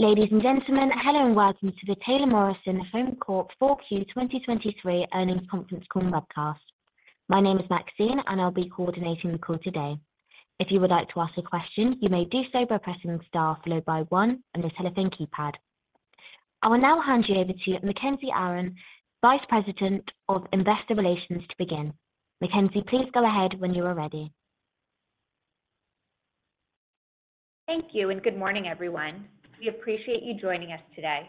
Ladies and gentlemen, hello and welcome to the Taylor Morrison Home Corp 4Q 2023 earnings conference call and webcast. My name is Mackenzie, and I'll be coordinating the call today. If you would like to ask a question, you may do so by pressing Star followed by 1 on the telephone keypad. I will now hand you over to Mackenzie Aron, Vice President of Investor Relations, to begin. Mackenzie, please go ahead when you are ready. Thank you, and good morning, everyone. We appreciate you joining us today.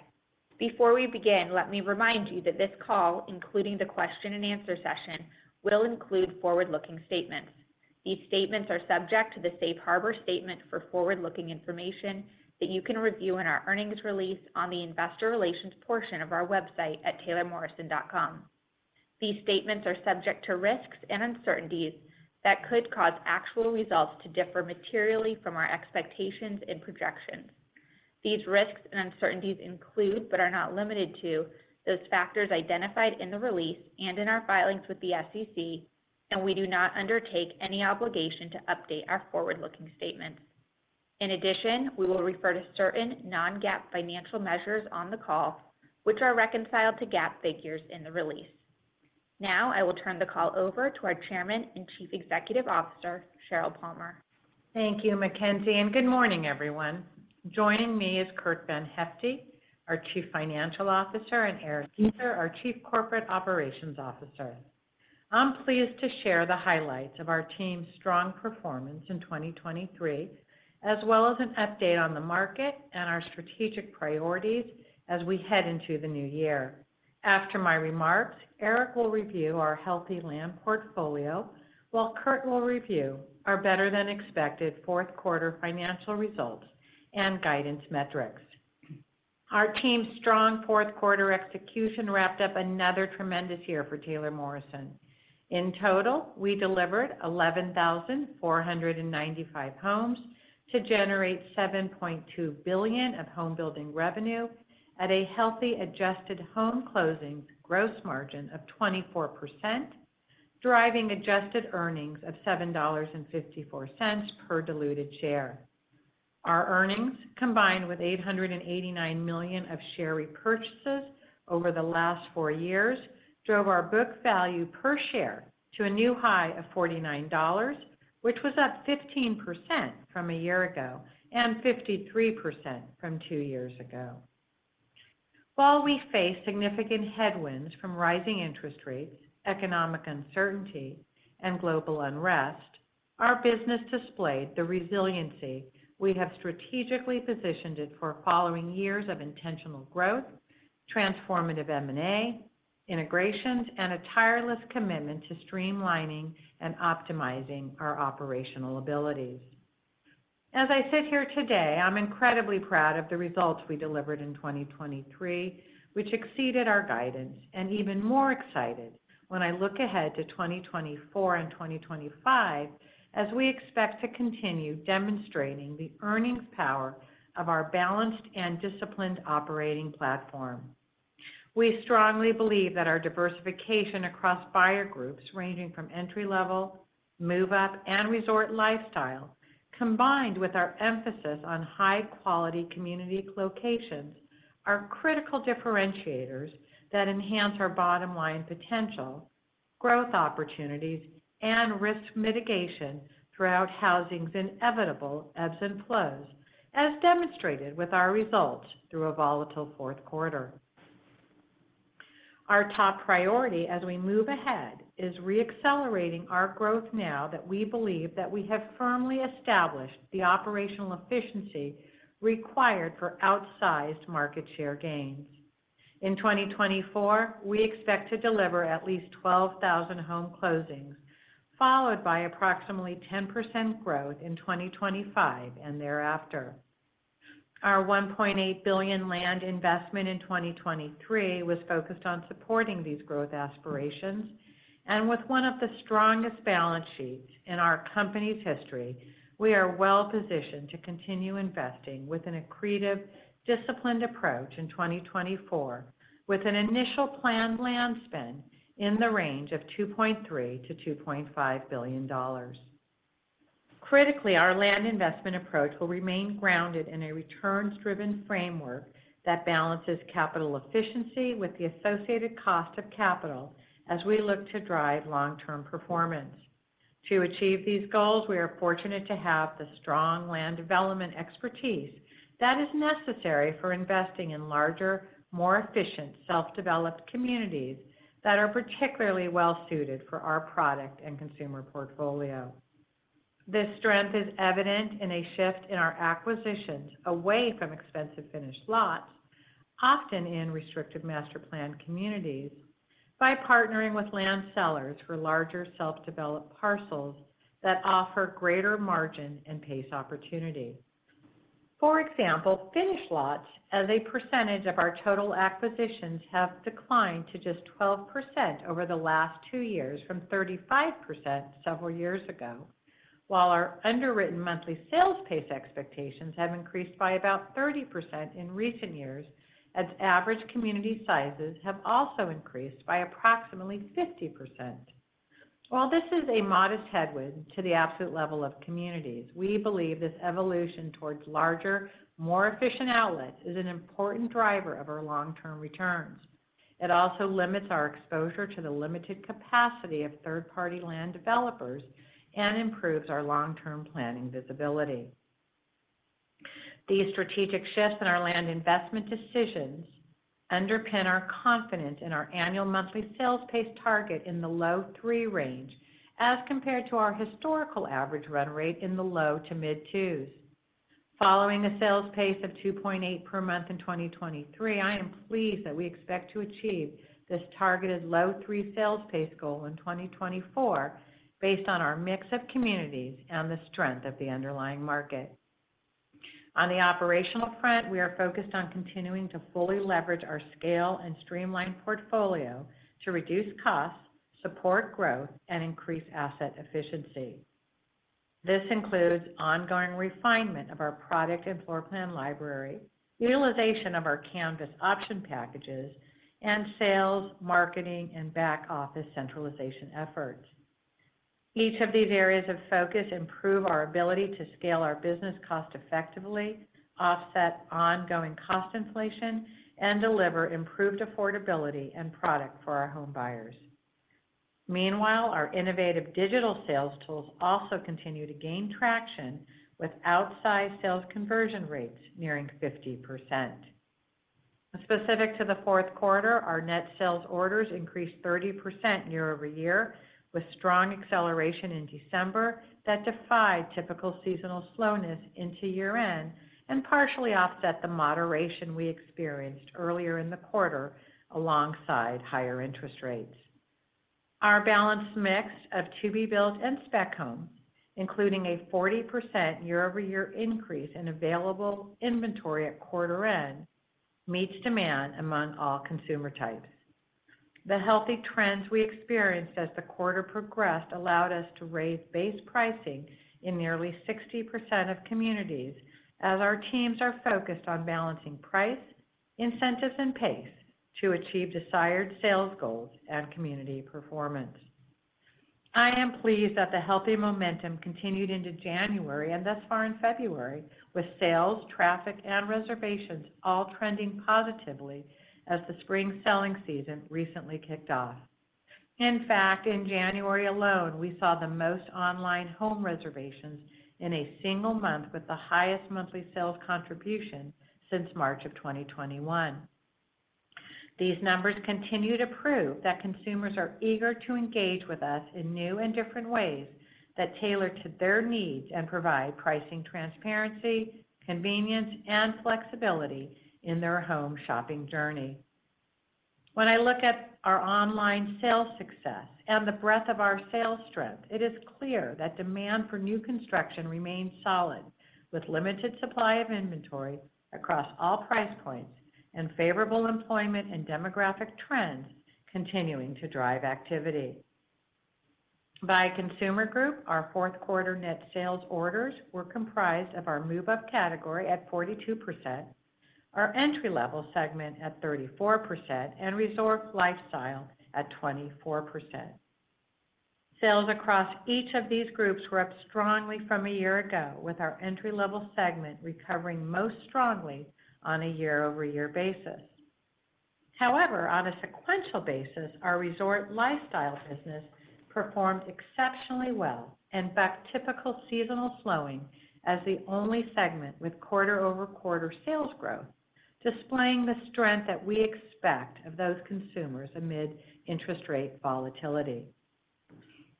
Before we begin, let me remind you that this call, including the question-and-answer session, will include forward-looking statements. These statements are subject to the Safe Harbor Statement for forward-looking information that you can review in our earnings release on the Investor Relations portion of our website at taylormorrison.com. These statements are subject to risks and uncertainties that could cause actual results to differ materially from our expectations and projections. These risks and uncertainties include, but are not limited to, those factors identified in the release and in our filings with the SEC, and we do not undertake any obligation to update our forward-looking statements. In addition, we will refer to certain non-GAAP financial measures on the call, which are reconciled to GAAP figures in the release. Now I will turn the call over to our Chairman and Chief Executive Officer, Sheryl Palmer. Thank you, Mackenzie, and good morning, everyone. Joining me is Curt VanHyfte, our Chief Financial Officer, and Erik Heuser, our Chief Corporate Operations Officer. I'm pleased to share the highlights of our team's strong performance in 2023, as well as an update on the market and our strategic priorities as we head into the new year. After my remarks, Erik will review our healthy land portfolio, while Curt will review our better-than-expected fourth-quarter financial results and guidance metrics. Our team's strong fourth-quarter execution wrapped up another tremendous year for Taylor Morrison. In total, we delivered 11,495 homes to generate $7,200,000,000 of home-building revenue at a healthy adjusted home closings gross margin of 24%, driving adjusted earnings of $7.54 per diluted share. Our earnings, combined with $889,000,000 of share repurchases over the last 4 years, drove our book value per share to a new high of $49, which was up 15% from a year ago and 53% from 2 years ago. While we face significant headwinds from rising interest rates, economic uncertainty, and global unrest, our business displayed the resiliency we have strategically positioned it for following years of intentional growth, transformative M&A, integrations, and a tireless commitment to streamlining and optimizing our operational abilities. As I sit here today, I'm incredibly proud of the results we delivered in 2023, which exceeded our guidance, and even more excited when I look ahead to 2024 and 2025 as we expect to continue demonstrating the earnings power of our balanced and disciplined operating platform. We strongly believe that our diversification across buyer groups ranging from entry-level, move-up, and Resort Lifestyle, combined with our emphasis on high-quality community locations, are critical differentiators that enhance our bottom-line potential, growth opportunities, and risk mitigation throughout housing's inevitable ebbs and flows, as demonstrated with our results through a volatile fourth quarter. Our top priority as we move ahead is reaccelerating our growth now that we believe that we have firmly established the operational efficiency required for outsized market share gains. In 2024, we expect to deliver at least 12,000 home closings, followed by approximately 10% growth in 2025 and thereafter. Our $1,800,000,000 land investment in 2023 was focused on supporting these growth aspirations, and with one of the strongest balance sheets in our company's history, we are well positioned to continue investing with an accretive, disciplined approach in 2024, with an initial planned land spend in the range of $2,300,000,000-$2,500,000,000. Critically, our land investment approach will remain grounded in a returns-driven framework that balances capital efficiency with the associated cost of capital as we look to drive long-term performance. To achieve these goals, we are fortunate to have the strong land development expertise that is necessary for investing in larger, more efficient self-developed communities that are particularly well-suited for our product and consumer portfolio. This strength is evident in a shift in our acquisitions away from expensive finished lots, often in restrictive master-planned communities, by partnering with land sellers for larger self-developed parcels that offer greater margin and pace opportunity. For example, finished lots, as a percentage of our total acquisitions, have declined to just 12% over the last two years from 35% several years ago, while our underwritten monthly sales pace expectations have increased by about 30% in recent years, as average community sizes have also increased by approximately 50%. While this is a modest headwind to the absolute level of communities, we believe this evolution towards larger, more efficient outlets is an important driver of our long-term returns. It also limits our exposure to the limited capacity of third-party land developers and improves our long-term planning visibility. These strategic shifts in our land investment decisions underpin our confidence in our annual monthly sales pace target in the low 3 range as compared to our historical average run rate in the low to mid 2s. Following a sales pace of 2.8 per month in 2023, I am pleased that we expect to achieve this targeted low 3 sales pace goal in 2024 based on our mix of communities and the strength of the underlying market. On the operational front, we are focused on continuing to fully leverage our scale and streamlined portfolio to reduce costs, support growth, and increase asset efficiency. This includes ongoing refinement of our product and floor plan library, utilization of our Canvas option packages, and sales, marketing, and back-office centralization efforts. Each of these areas of focus improve our ability to scale our business cost-effectively, offset ongoing cost inflation, and deliver improved affordability and product for our home buyers. Meanwhile, our innovative digital sales tools also continue to gain traction with outsized sales conversion rates nearing 50%. Specific to the fourth quarter, our net sales orders increased 30% year-over-year, with strong acceleration in December that defied typical seasonal slowness into year-end and partially offset the moderation we experienced earlier in the quarter alongside higher interest rates. Our balanced mix of to-be-built and spec homes, including a 40% year-over-year increase in available inventory at quarter-end, meets demand among all consumer types. The healthy trends we experienced as the quarter progressed allowed us to raise base pricing in nearly 60% of communities, as our teams are focused on balancing price, incentives, and pace to achieve desired sales goals and community performance. I am pleased that the healthy momentum continued into January and thus far in February, with sales, traffic, and reservations all trending positively as the spring selling season recently kicked off. In fact, in January alone, we saw the most online home reservations in a single month with the highest monthly sales contribution since March of 2021. These numbers continue to prove that consumers are eager to engage with us in new and different ways that tailor to their needs and provide pricing transparency, convenience, and flexibility in their home shopping journey. When I look at our online sales success and the breadth of our sales strength, it is clear that demand for new construction remains solid, with limited supply of inventory across all price points and favorable employment and demographic trends continuing to drive activity. By consumer group, our fourth-quarter net sales orders were comprised of our Move-Up category at 42%, our Entry-Level segment at 34%, and Resort Lifestyle at 24%. Sales across each of these groups rose strongly from a year ago, with our Entry-Level segment recovering most strongly on a year-over-year basis. However, on a sequential basis, our Resort Lifestyle business performed exceptionally well and bucked typical seasonal slowing as the only segment with quarter-over-quarter sales growth, displaying the strength that we expect of those consumers amid interest rate volatility.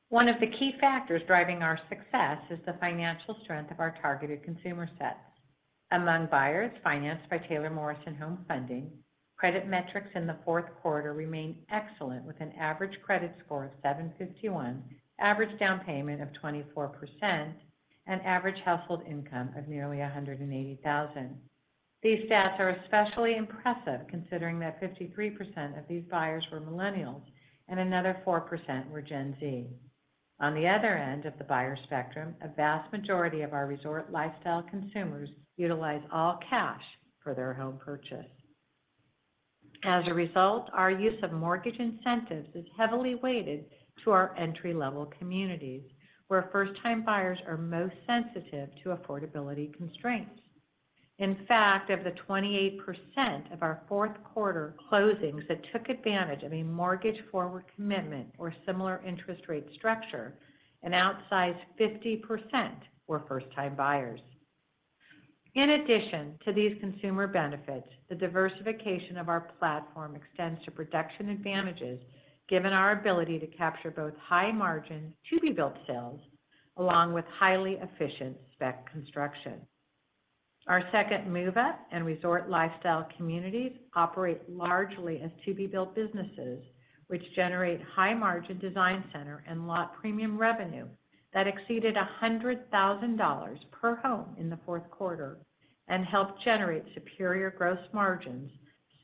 One of the key factors driving our success is the financial strength of our targeted consumer sets. Among buyers financed by Taylor Morrison Home Funding, credit metrics in the fourth quarter remain excellent, with an average credit score of 751, average down payment of 24%, and average household income of nearly $180,000. These stats are especially impressive considering that 53% of these buyers were Millennials and another 4% were Gen Z. On the other end of the buyer spectrum, a vast majority of our Resort Lifestyle consumers utilize all cash for their home purchase. As a result, our use of mortgage incentives is heavily weighted to our Entry-Level communities, where first-time buyers are most sensitive to affordability constraints. In fact, of the 28% of our fourth-quarter closings that took advantage of a mortgage-forward commitment or similar interest rate structure, an outsized 50% were first-time buyers. In addition to these consumer benefits, the diversification of our platform extends to production advantages given our ability to capture both high-margin To-Be-Built sales along with highly efficient spec construction. Our second move-up and resort lifestyle communities operate largely as to-be-built businesses, which generate high-margin design center and lot premium revenue that exceeded $100,000 per home in the fourth quarter and helped generate superior gross margins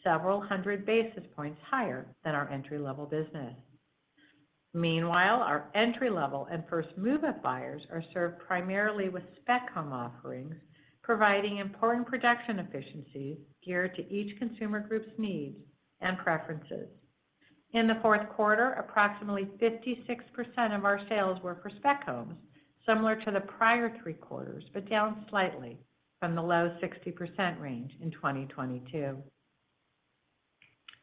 several hundred basis points higher than our entry-level business. Meanwhile, our entry-level and first move-up buyers are served primarily with spec home offerings, providing important production efficiencies geared to each consumer group's needs and preferences. In the fourth quarter, approximately 56% of our sales were for spec homes, similar to the prior three quarters but down slightly from the low 60% range in 2022.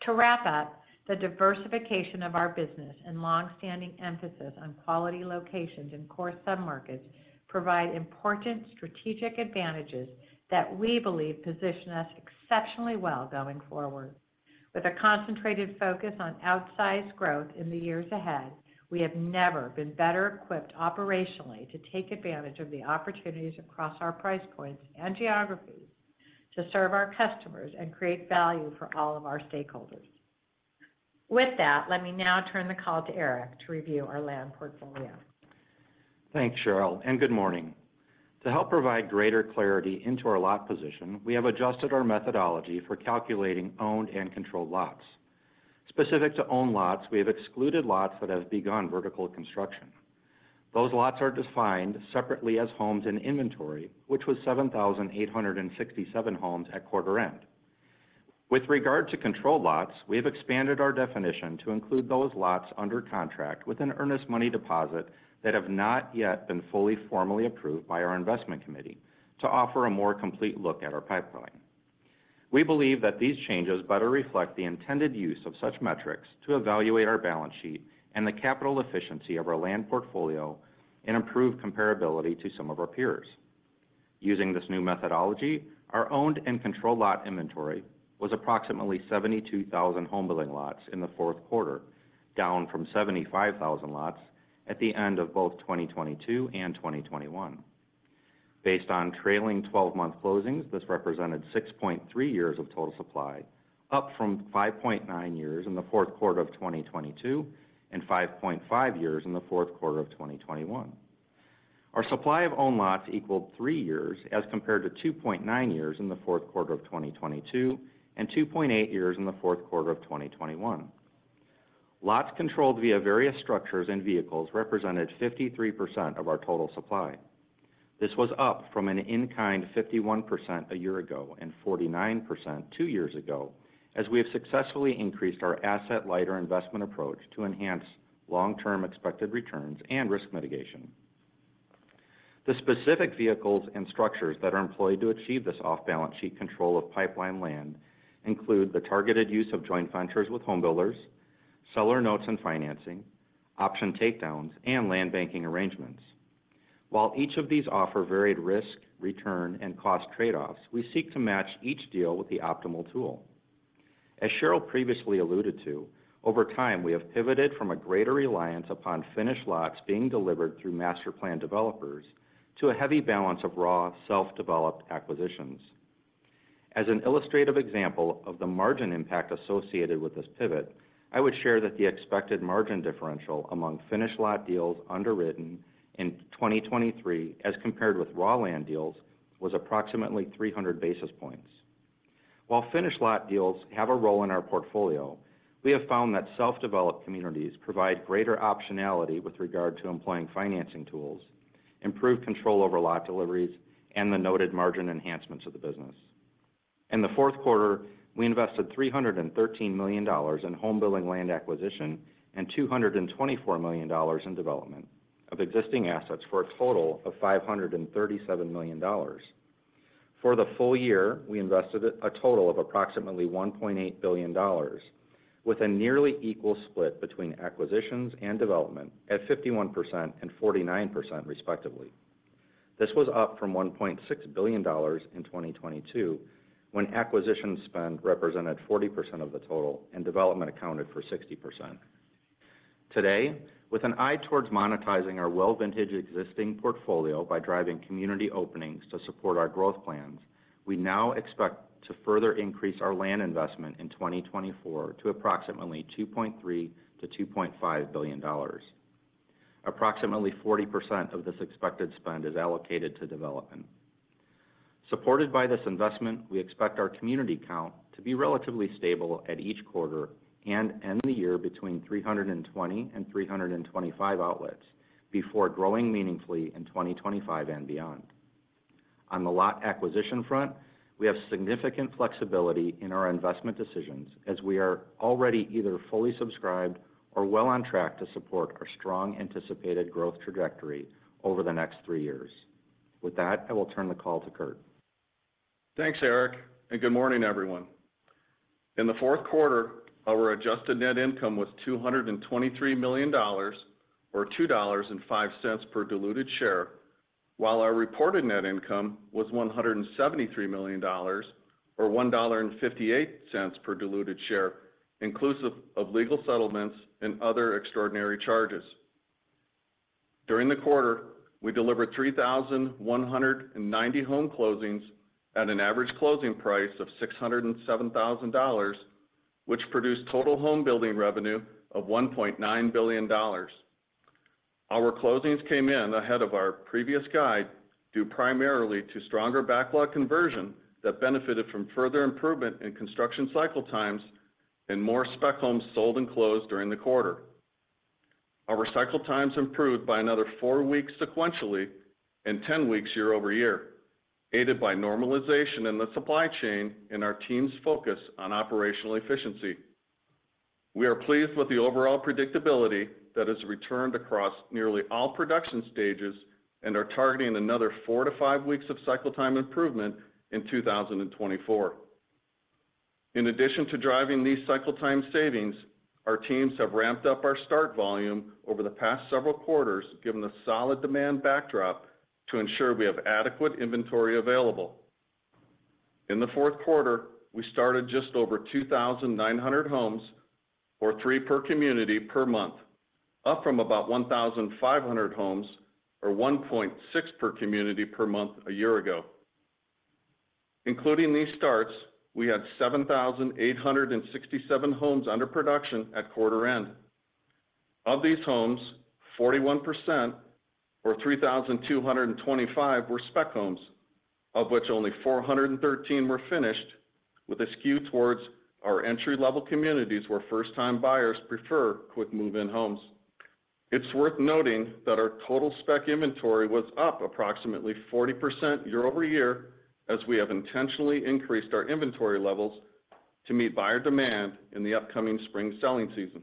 To wrap up, the diversification of our business and longstanding emphasis on quality locations in core submarkets provide important strategic advantages that we believe position us exceptionally well going forward. With a concentrated focus on outsized growth in the years ahead, we have never been better equipped operationally to take advantage of the opportunities across our price points and geographies to serve our customers and create value for all of our stakeholders. With that, let me now turn the call to Erik to review our land portfolio. Thanks, Sheryl, and good morning. To help provide greater clarity into our lot position, we have adjusted our methodology for calculating owned and controlled lots. Specific to owned lots, we have excluded lots that have begun vertical construction. Those lots are defined separately as homes in inventory, which was 7,867 homes at quarter-end. With regard to controlled lots, we have expanded our definition to include those lots under contract with an earnest money deposit that have not yet been fully formally approved by our investment committee to offer a more complete look at our pipeline. We believe that these changes better reflect the intended use of such metrics to evaluate our balance sheet and the capital efficiency of our land portfolio and improve comparability to some of our peers. Using this new methodology, our owned and controlled lot inventory was approximately 72,000 home-building lots in the fourth quarter, down from 75,000 lots at the end of both 2022 and 2021. Based on trailing 12-month closings, this represented 6.3 years of total supply, up from 5.9 years in the fourth quarter of 2022 and 5.5 years in the fourth quarter of 2021. Our supply of owned lots equaled 3 years as compared to 2.9 years in the fourth quarter of 2022 and 2.8 years in the fourth quarter of 2021. Lots controlled via various structures and vehicles represented 53% of our total supply. This was up from 51% a year ago and 49% two years ago, as we have successfully increased our asset-lighter investment approach to enhance long-term expected returns and risk mitigation. The specific vehicles and structures that are employed to achieve this off-balance sheet control of pipeline land include the targeted use of joint ventures with home builders, seller notes and financing, option takedowns, and land banking arrangements. While each of these offer varied risk, return, and cost trade-offs, we seek to match each deal with the optimal tool. As Sheryl previously alluded to, over time, we have pivoted from a greater reliance upon finished lots being delivered through master-planned developers to a heavy balance of raw self-developed acquisitions. As an illustrative example of the margin impact associated with this pivot, I would share that the expected margin differential among finished lot deals underwritten in 2023 as compared with raw land deals was approximately 300 basis points. While finished lot deals have a role in our portfolio, we have found that self-developed communities provide greater optionality with regard to employing financing tools, improved control over lot deliveries, and the noted margin enhancements of the business. In the fourth quarter, we invested $313,000,000 in home-building land acquisition and $224,000,000 in development of existing assets for a total of $537,000,000. For the full year, we invested a total of approximately $1,800,000,000, with a nearly equal split between acquisitions and development at 51% and 49%, respectively. This was up from $1,600,000,000 in 2022, when acquisition spend represented 40% of the total and development accounted for 60%. Today, with an eye towards monetizing our well-vintage existing portfolio by driving community openings to support our growth plans, we now expect to further increase our land investment in 2024 to approximately $2,300,000,000-$2,500,000,000. Approximately 40% of this expected spend is allocated to development. Supported by this investment, we expect our community count to be relatively stable at each quarter and end the year between 320 and 325 outlets before growing meaningfully in 2025 and beyond. On the lot acquisition front, we have significant flexibility in our investment decisions as we are already either fully subscribed or well on track to support our strong anticipated growth trajectory over the next three years. With that, I will turn the call to Curt. Thanks, Erik, and good morning, everyone. In the fourth quarter, our adjusted net income was $223,000,000 or $2.05 per diluted share, while our reported net income was $173,000,000 or $1.58 per diluted share, inclusive of legal settlements and other extraordinary charges. During the quarter, we delivered 3,190 home closings at an average closing price of $607,000, which produced total home-building revenue of $1,900,000,000. Our closings came in ahead of our previous guide due primarily to stronger backlog conversion that benefited from further improvement in construction cycle times and more spec homes sold and closed during the quarter. Our cycle times improved by another 4 weeks sequentially and 10 weeks year-over-year, aided by normalization in the supply chain and our team's focus on operational efficiency. We are pleased with the overall predictability that has returned across nearly all production stages and are targeting another 4-5 weeks of cycle time improvement in 2024. In addition to driving these cycle time savings, our teams have ramped up our start volume over the past several quarters given the solid demand backdrop to ensure we have adequate inventory available. In the fourth quarter, we started just over 2,900 homes or 3 per community per month, up from about 1,500 homes or 1.6 per community per month a year ago. Including these starts, we had 7,867 homes under production at quarter-end. Of these homes, 41% or 3,225 were spec homes, of which only 413 were finished, with a skew towards our entry-level communities where first-time buyers prefer quick move-in homes. It's worth noting that our total spec inventory was up approximately 40% year-over-year as we have intentionally increased our inventory levels to meet buyer demand in the upcoming spring selling season.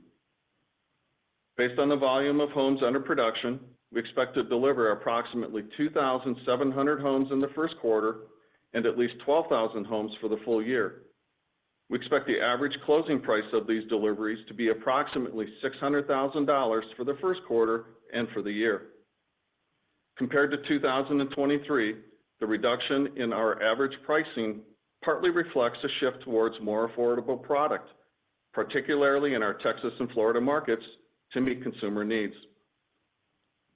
Based on the volume of homes under production, we expect to deliver approximately 2,700 homes in the first quarter and at least 12,000 homes for the full year. We expect the average closing price of these deliveries to be approximately $600,000 for the first quarter and for the year. Compared to 2023, the reduction in our average pricing partly reflects a shift towards more affordable product, particularly in our Texas and Florida markets, to meet consumer needs.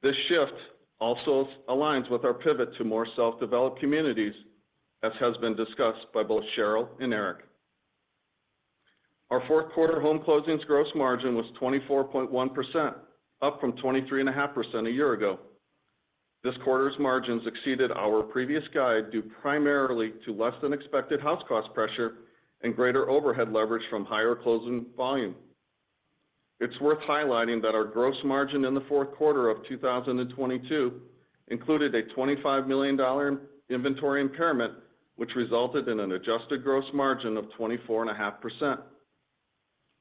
This shift also aligns with our pivot to more self-developed communities, as has been discussed by both Sheryl and Erik. Our fourth quarter home closings gross margin was 24.1%, up from 23.5% a year ago. This quarter's margins exceeded our previous guide due primarily to less than expected house cost pressure and greater overhead leverage from higher closing volume. It's worth highlighting that our gross margin in the fourth quarter of 2022 included a $25,000,000 inventory impairment, which resulted in an adjusted gross margin of 24.5%.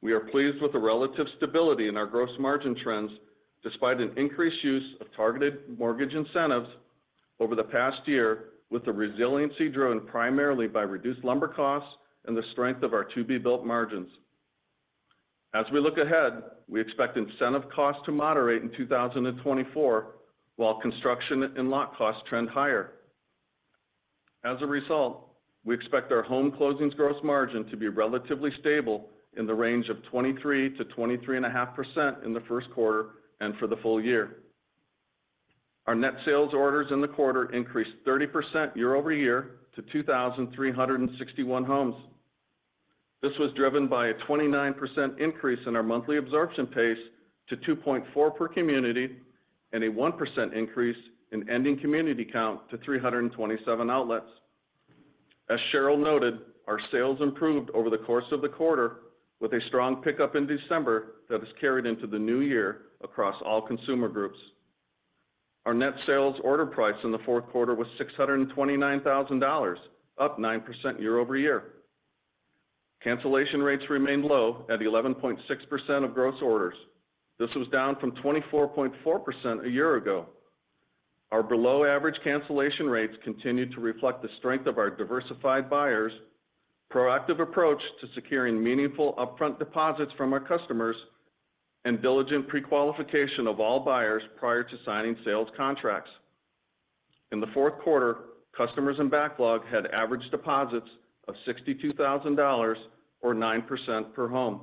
We are pleased with the relative stability in our gross margin trends despite an increased use of targeted mortgage incentives over the past year, with the resiliency driven primarily by reduced lumber costs and the strength of our to-be-built margins. As we look ahead, we expect incentive costs to moderate in 2024 while construction and lot costs trend higher. As a result, we expect our home closings gross margin to be relatively stable in the range of 23%-23.5% in the first quarter and for the full year. Our net sales orders in the quarter increased 30% year over year to 2,361 homes. This was driven by a 29% increase in our monthly absorption pace to 2.4 per community and a 1% increase in ending community count to 327 outlets. As Sheryl noted, our sales improved over the course of the quarter, with a strong pickup in December that has carried into the new year across all consumer groups. Our net sales order price in the fourth quarter was $629,000, up 9% year over year. Cancellation rates remained low at 11.6% of gross orders. This was down from 24.4% a year ago. Our below-average cancellation rates continue to reflect the strength of our diversified buyers, proactive approach to securing meaningful upfront deposits from our customers, and diligent pre-qualification of all buyers prior to signing sales contracts. In the fourth quarter, customers in backlog had average deposits of $62,000 or 9% per home.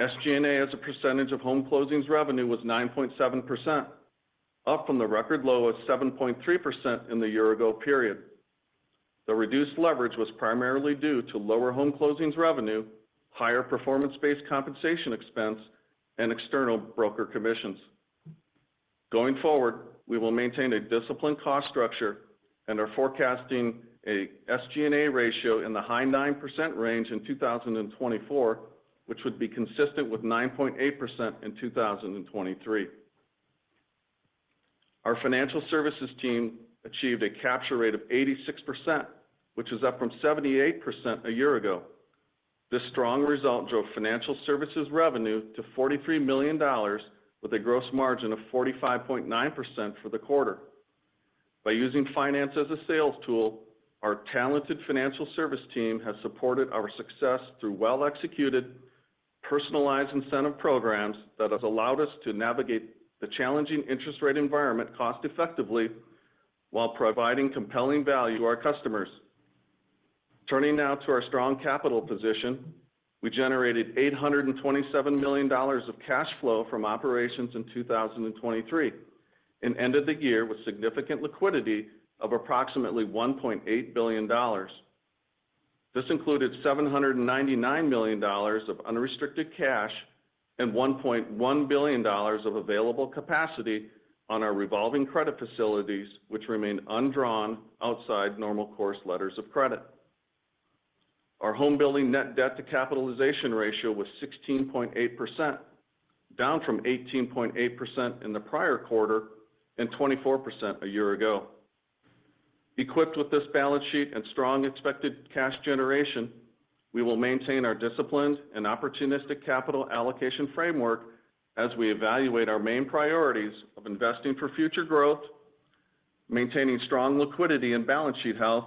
SG&A, as a percentage of home closings revenue, was 9.7%, up from the record low of 7.3% in the year-ago period. The reduced leverage was primarily due to lower home closings revenue, higher performance-based compensation expense, and external broker commissions. Going forward, we will maintain a disciplined cost structure and are forecasting an SG&A ratio in the high 9% range in 2024, which would be consistent with 9.8% in 2023. Our financial services team achieved a capture rate of 86%, which is up from 78% a year ago. This strong result drove financial services revenue to $43,000,000, with a gross margin of 45.9% for the quarter. By using finance as a sales tool, our talented financial service team has supported our success through well-executed, personalized incentive programs that have allowed us to navigate the challenging interest rate environment cost-effectively while providing compelling value to our customers. Turning now to our strong capital position, we generated $827,000,000 of cash flow from operations in 2023 and ended the year with significant liquidity of approximately $1,800,000,000. This included $799,000,000 of unrestricted cash and $1,100,000,000 of available capacity on our revolving credit facilities, which remained undrawn outside normal course letters of credit. Our home-building net debt to capitalization ratio was 16.8%, down from 18.8% in the prior quarter and 24% a year ago. Equipped with this balance sheet and strong expected cash generation, we will maintain our disciplined and opportunistic capital allocation framework as we evaluate our main priorities of investing for future growth, maintaining strong liquidity and balance sheet health,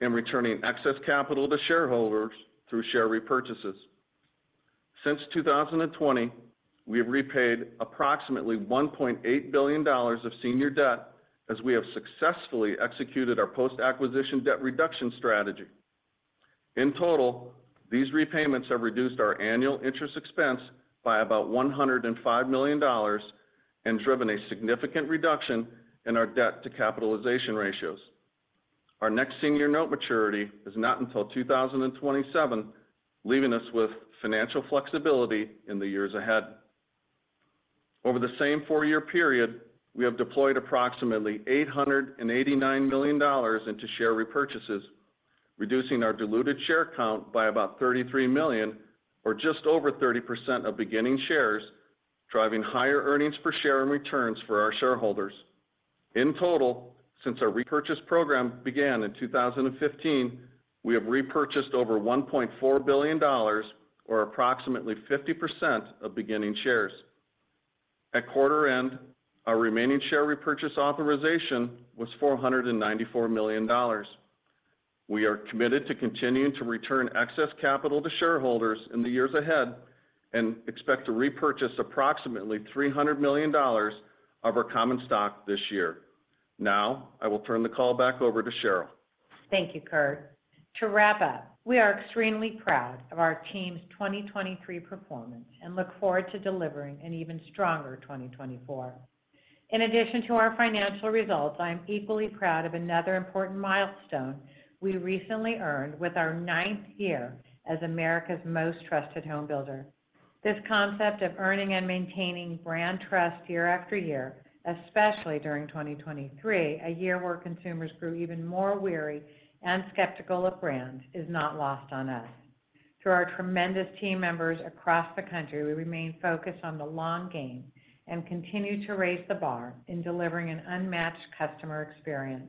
and returning excess capital to shareholders through share repurchases. Since 2020, we have repaid approximately $1,800,000,000 of senior debt as we have successfully executed our post-acquisition debt reduction strategy. In total, these repayments have reduced our annual interest expense by about $105,000,000 and driven a significant reduction in our debt to capitalization ratios. Our next senior note maturity is not until 2027, leaving us with financial flexibility in the years ahead. Over the same four-year period, we have deployed approximately $889,000,000 into share repurchases, reducing our diluted share count by about 33,000,000 or just over 30% of beginning shares, driving higher earnings per share and returns for our shareholders. In total, since our repurchase program began in 2015, we have repurchased over $1,400,000,000 or approximately 50% of beginning shares. At quarter-end, our remaining share repurchase authorization was $494,000,000. We are committed to continuing to return excess capital to shareholders in the years ahead and expect to repurchase approximately $300,000,000of our common stock this year. Now, I will turn the call back over to Sheryl. Thank you, Curt. To wrap up, we are extremely proud of our team's 2023 performance and look forward to delivering an even stronger 2024. In addition to our financial results, I'm equally proud of another important milestone we recently earned with our ninth year as America's Most Trusted Home Builder. This concept of earning and maintaining brand trust year after year, especially during 2023, a year where consumers grew even more weary and skeptical of brands, is not lost on us. Through our tremendous team members across the country, we remain focused on the long game and continue to raise the bar in delivering an unmatched customer experience.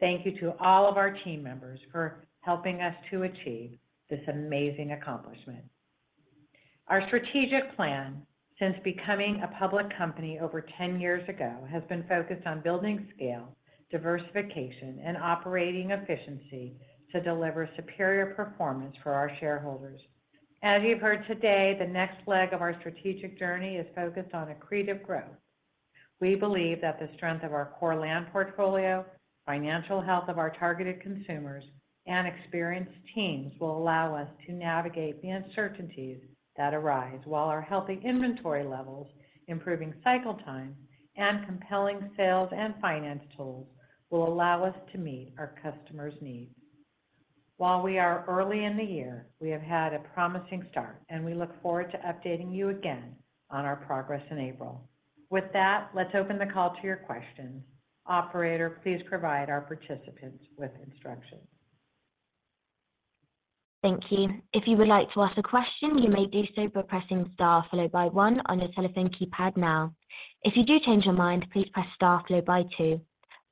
Thank you to all of our team members for helping us to achieve this amazing accomplishment. Our strategic plan, since becoming a public company over 10 years ago, has been focused on building scale, diversification, and operating efficiency to deliver superior performance for our shareholders. As you've heard today, the next leg of our strategic journey is focused on accretive growth. We believe that the strength of our core land portfolio, financial health of our targeted consumers, and experienced teams will allow us to navigate the uncertainties that arise while our healthy inventory levels, improving cycle time, and compelling sales and finance tools will allow us to meet our customers' needs. While we are early in the year, we have had a promising start, and we look forward to updating you again on our progress in April. With that, let's open the call to your questions. Operator, please provide our participants with instructions. Thank you. If you would like to ask a question, you may do so by pressing Star followed by One on your telephone keypad now. If you do change your mind, please press Star followed by Two.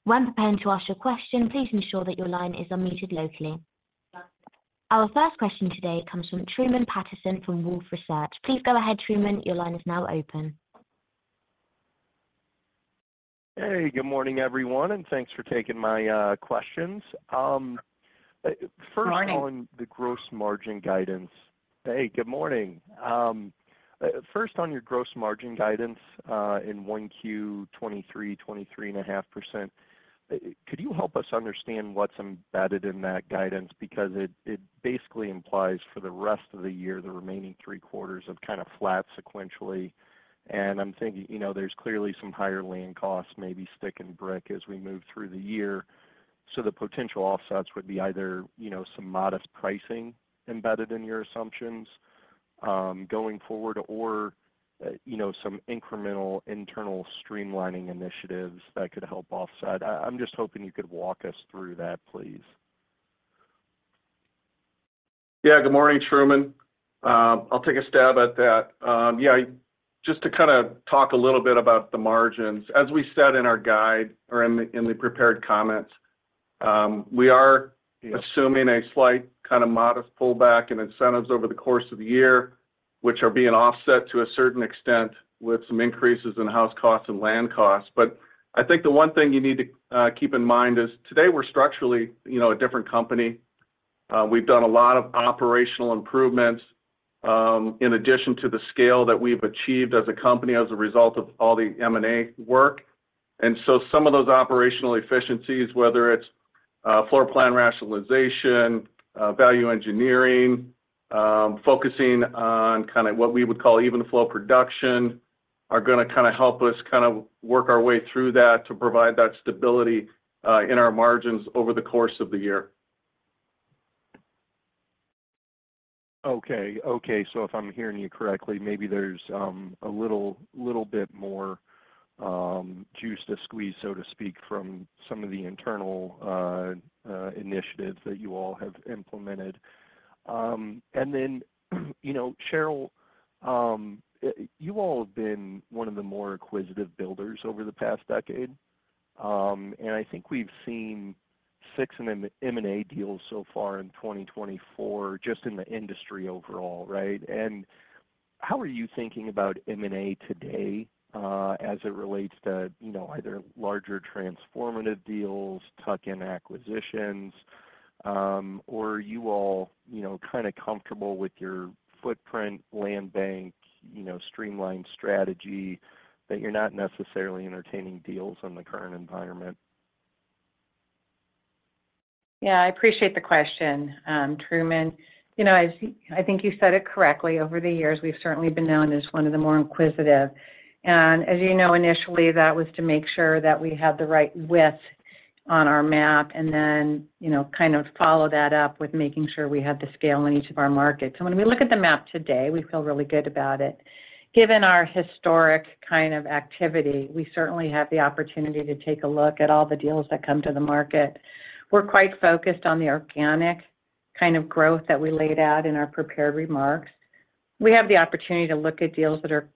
When preparing to ask your question, please ensure that your line is unmuted locally. Our first question today comes from Truman Patterson from Wolfe Research. Please go ahead, Truman. Your line is now open. Hey, good morning, everyone, and thanks for taking my questions. First on the gross margin guidance. Hey, good morning. First on your gross margin guidance in 1Q2023, 23.5%, could you help us understand what's embedded in that guidance? Because it basically implies for the rest of the year, the remaining three quarters of kind of flat sequentially. And I'm thinking there's clearly some higher land costs maybe sticking brick as we move through the year. So the potential offsets would be either some modest pricing embedded in your assumptions going forward or some incremental internal streamlining initiatives that could help offset. I'm just hoping you could walk us through that, please. Yeah, good morning, Truman. I'll take a stab at that. Yeah, just to kind of talk a little bit about the margins. As we said in our guide or in the prepared comments, we are assuming a slight kind of modest pullback in incentives over the course of the year, which are being offset to a certain extent with some increases in house costs and land costs. But I think the one thing you need to keep in mind is today we're structurally a different company. We've done a lot of operational improvements in addition to the scale that we've achieved as a company as a result of all the M&A work. And so some of those operational efficiencies, whether it's floor plan rationalization, value engineering, focusing on kind of what we would call even flow production, are going to kind of help us kind of work our way through that to provide that stability in our margins over the course of the year. Okay. Okay. So if I'm hearing you correctly, maybe there's a little bit more juice to squeeze, so to speak, from some of the internal initiatives that you all have implemented. And then, Sheryl, you all have been one of the more acquisitive builders over the past decade. And I think we've seen six M&A deals so far in 2024 just in the industry overall, right? How are you thinking about M&A today as it relates to either larger transformative deals, tuck-in acquisitions, or are you all kind of comfortable with your footprint, land bank, streamlined strategy that you're not necessarily entertaining deals in the current environment? Yeah, I appreciate the question, Truman. I think you said it correctly. Over the years, we've certainly been known as one of the more inquisitive. And as you know, initially, that was to make sure that we had the right width on our map and then kind of follow that up with making sure we had the scale in each of our markets. And when we look at the map today, we feel really good about it. Given our historic kind of activity, we certainly have the opportunity to take a look at all the deals that come to the market. We're quite focused on the organic kind of growth that we laid out in our prepared remarks. We have the opportunity to look at deals that are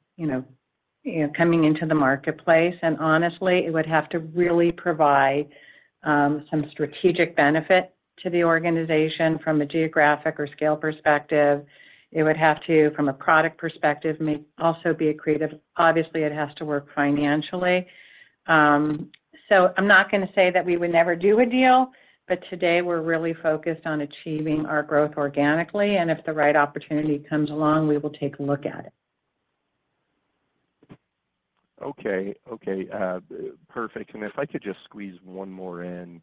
coming into the marketplace. And honestly, it would have to really provide some strategic benefit to the organization from a geographic or scale perspective. It would have to, from a product perspective, also be accretive. Obviously, it has to work financially. So I'm not going to say that we would never do a deal, but today we're really focused on achieving our growth organically. And if the right opportunity comes along, we will take a look at it. Okay. Okay. Perfect. And if I could just squeeze one more in,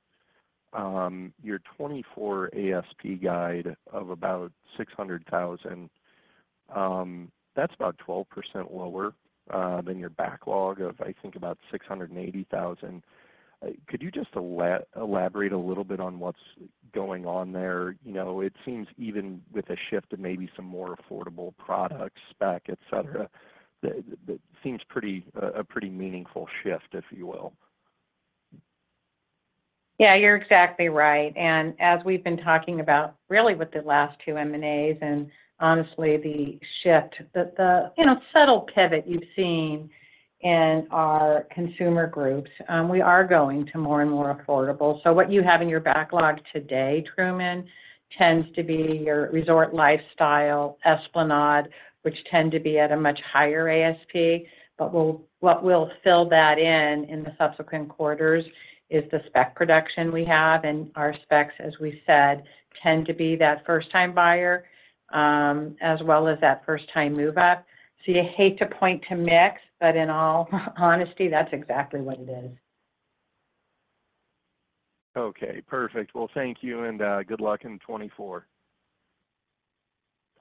your 2024 ASP guide of about $600,000, that's about 12% lower than your backlog of, I think, about $680,000. Could you just elaborate a little bit on what's going on there? It seems even with a shift to maybe some more affordable products, spec, etc., that seems a pretty meaningful shift, if you will. Yeah, you're exactly right. And as we've been talking about, really, with the last two M&As and honestly, the shift, the subtle pivot you've seen in our consumer groups, we are going to more and more affordable. So what you have in your backlog today, Truman, tends to be your resort lifestyle Esplanade, which tend to be at a much higher ASP. But what will fill that in in the subsequent quarters is the spec production we have. And our specs, as we said, tend to be that first-time buyer as well as that first-time move-up. So you hate to point to mix, but in all honesty, that's exactly what it is. Okay. Perfect. Well, thank you, and good luck in 2024.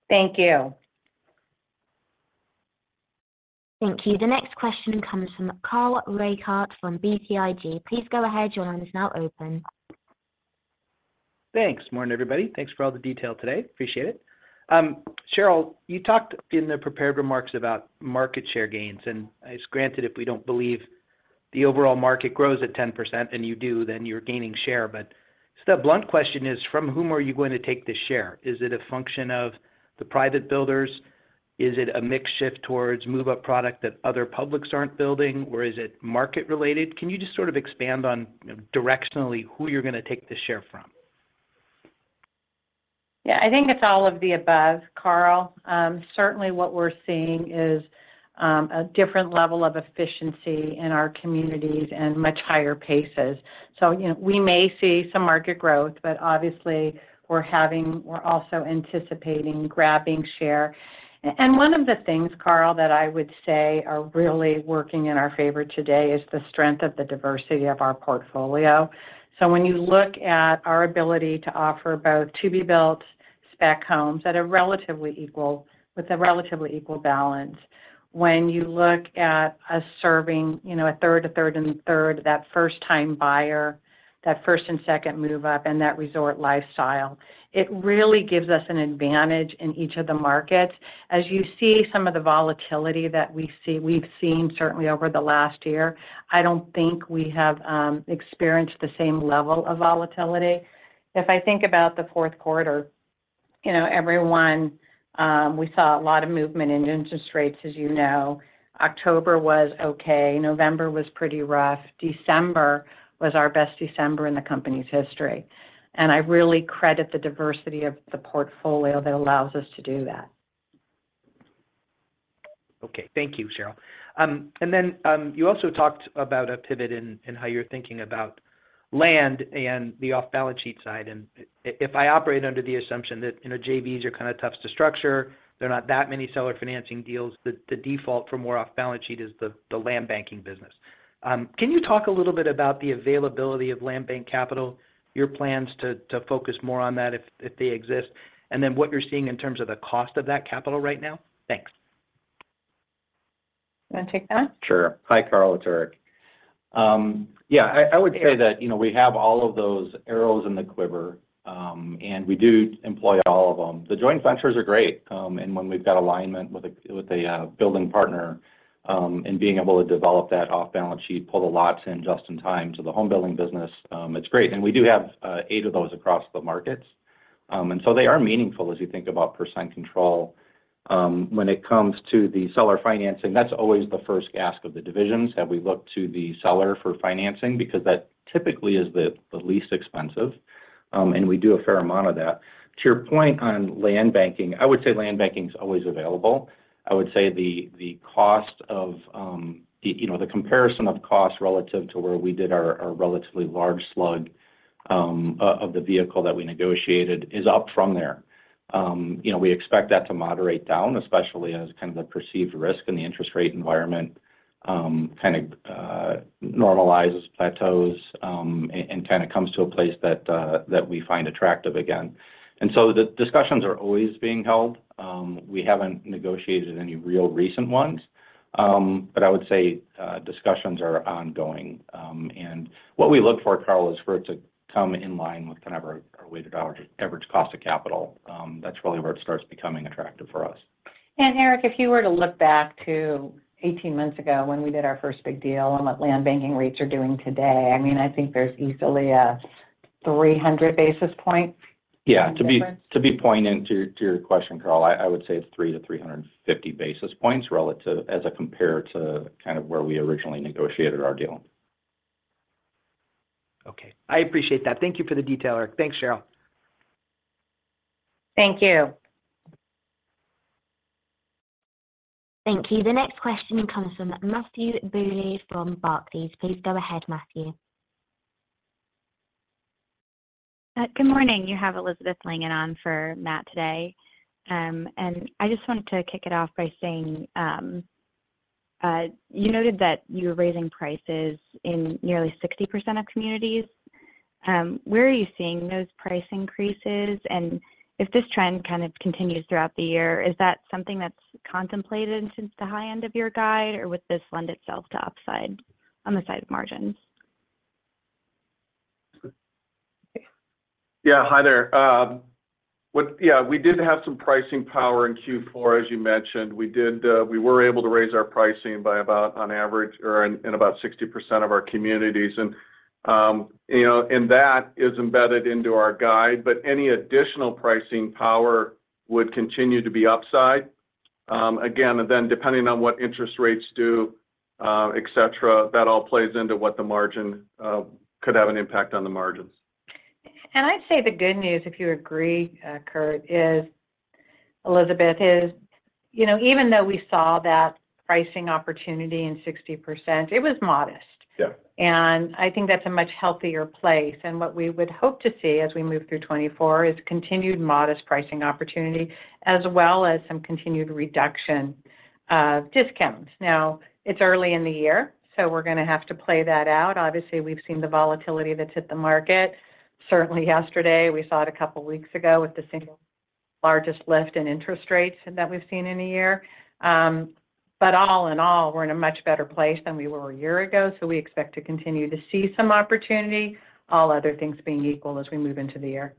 Thank you. Thank you. The next question comes from Carl Reichardt from BTIG. Please go ahead. Your line is now open. Thanks, morning, everybody. Thanks for all the detail today. Appreciate it. Sheryl, you talked in the prepared remarks about market share gains. And it's granted if we don't believe the overall market grows at 10% and you do, then you're gaining share. But the blunt question is, from whom are you going to take this share? Is it a function of the private builders? Is it a mixed shift towards move-up product that other publics aren't building, or is it market-related? Can you just sort of expand on directionally who you're going to take this share from? Yeah, I think it's all of the above, Carl. Certainly, what we're seeing is a different level of efficiency in our communities and much higher paces. So we may see some market growth, but obviously, we're also anticipating grabbing share. And one of the things, Carl, that I would say are really working in our favor today is the strength of the diversity of our portfolio. So when you look at our ability to offer both to-be-built, spec homes at a relatively equal balance, when you look at us serving a third, a third, and a third, that first-time buyer, that first and second move-up, and that resort lifestyle, it really gives us an advantage in each of the markets. As you see some of the volatility that we've seen, certainly over the last year, I don't think we have experienced the same level of volatility. If I think about the fourth quarter, everyone, we saw a lot of movement in interest rates, as you know. October was okay. November was pretty rough. December was our best December in the company's history. And I really credit the diversity of the portfolio that allows us to do that. Okay. Thank you, Sheryl. Then you also talked about a pivot in how you're thinking about land and the off-balance sheet side. And if I operate under the assumption that JVs are kind of tough to structure, there are not that many seller financing deals, the default for more off-balance sheet is the land banking business. Can you talk a little bit about the availability of land bank capital, your plans to focus more on that if they exist, and then what you're seeing in terms of the cost of that capital right now? Thanks. You want to take that? Sure. Hi, Carl Reichardt. Yeah, I would say that we have all of those arrows in the quiver, and we do employ all of them. The joint ventures are great. And when we've got alignment with a building partner and being able to develop that off-balance sheet, pull the lots in just in time to the homebuilding business, it's great. And we do have 8 of those across the markets. And so they are meaningful as you think about % control. When it comes to the seller financing, that's always the first ask of the divisions. Have we looked to the seller for financing? Because that typically is the least expensive. And we do a fair amount of that. To your point on land banking, I would say land banking is always available. I would say the cost of the comparison of cost relative to where we did our relatively large slug of the vehicle that we negotiated is up from there. We expect that to moderate down, especially as kind of the perceived risk in the interest rate environment kind of normalizes, plateaus, and kind of comes to a place that we find attractive again. And so the discussions are always being held. We haven't negotiated any real recent ones. But I would say discussions are ongoing. And what we look for, Carl, is for it to come in line with kind of our weighted average cost of capital. That's really where it starts becoming attractive for us. And Erik, if you were to look back to 18 months ago when we did our first big deal and what land banking rates are doing today, I mean, I think there's easily a 300 basis point difference. Yeah, to be pointing to your question, Carl, I would say it's 3-350 basis points as a compare to kind of where we originally negotiated our deal. Okay. I appreciate that. Thank you for the detail, Erik. Thanks, Sheryl. Thank you. Thank you. The next question comes from Matthew Bouley from Barclays. Please go ahead, Matthew. Good morning. You have Elizabeth Langan on for Matt today. And I just wanted to kick it off by saying you noted that you were raising prices in nearly 60% of communities. Where are you seeing those price increases? And if this trend kind of continues throughout the year, is that something that's contemplated since the high end of your guide, or would this lend itself to upside on the side of margins? Yeah, hi there. Yeah, we did have some pricing power in Q4, as you mentioned. We were able to raise our pricing by about, on average, or in about 60% of our communities. That is embedded into our guide. But any additional pricing power would continue to be upside. Again, then depending on what interest rates do, etc., that all plays into what the margin could have an impact on the margins. I'd say the good news, if you agree, Curt, is, Elizabeth, is even though we saw that pricing opportunity in 60%, it was modest. I think that's a much healthier place. What we would hope to see as we move through 2024 is continued modest pricing opportunity as well as some continued reduction of discounts. Now, it's early in the year, so we're going to have to play that out. Obviously, we've seen the volatility that's hit the market. Certainly, yesterday, we saw it a couple of weeks ago with the single largest lift in interest rates that we've seen in a year. But all in all, we're in a much better place than we were a year ago. So we expect to continue to see some opportunity, all other things being equal as we move into the year.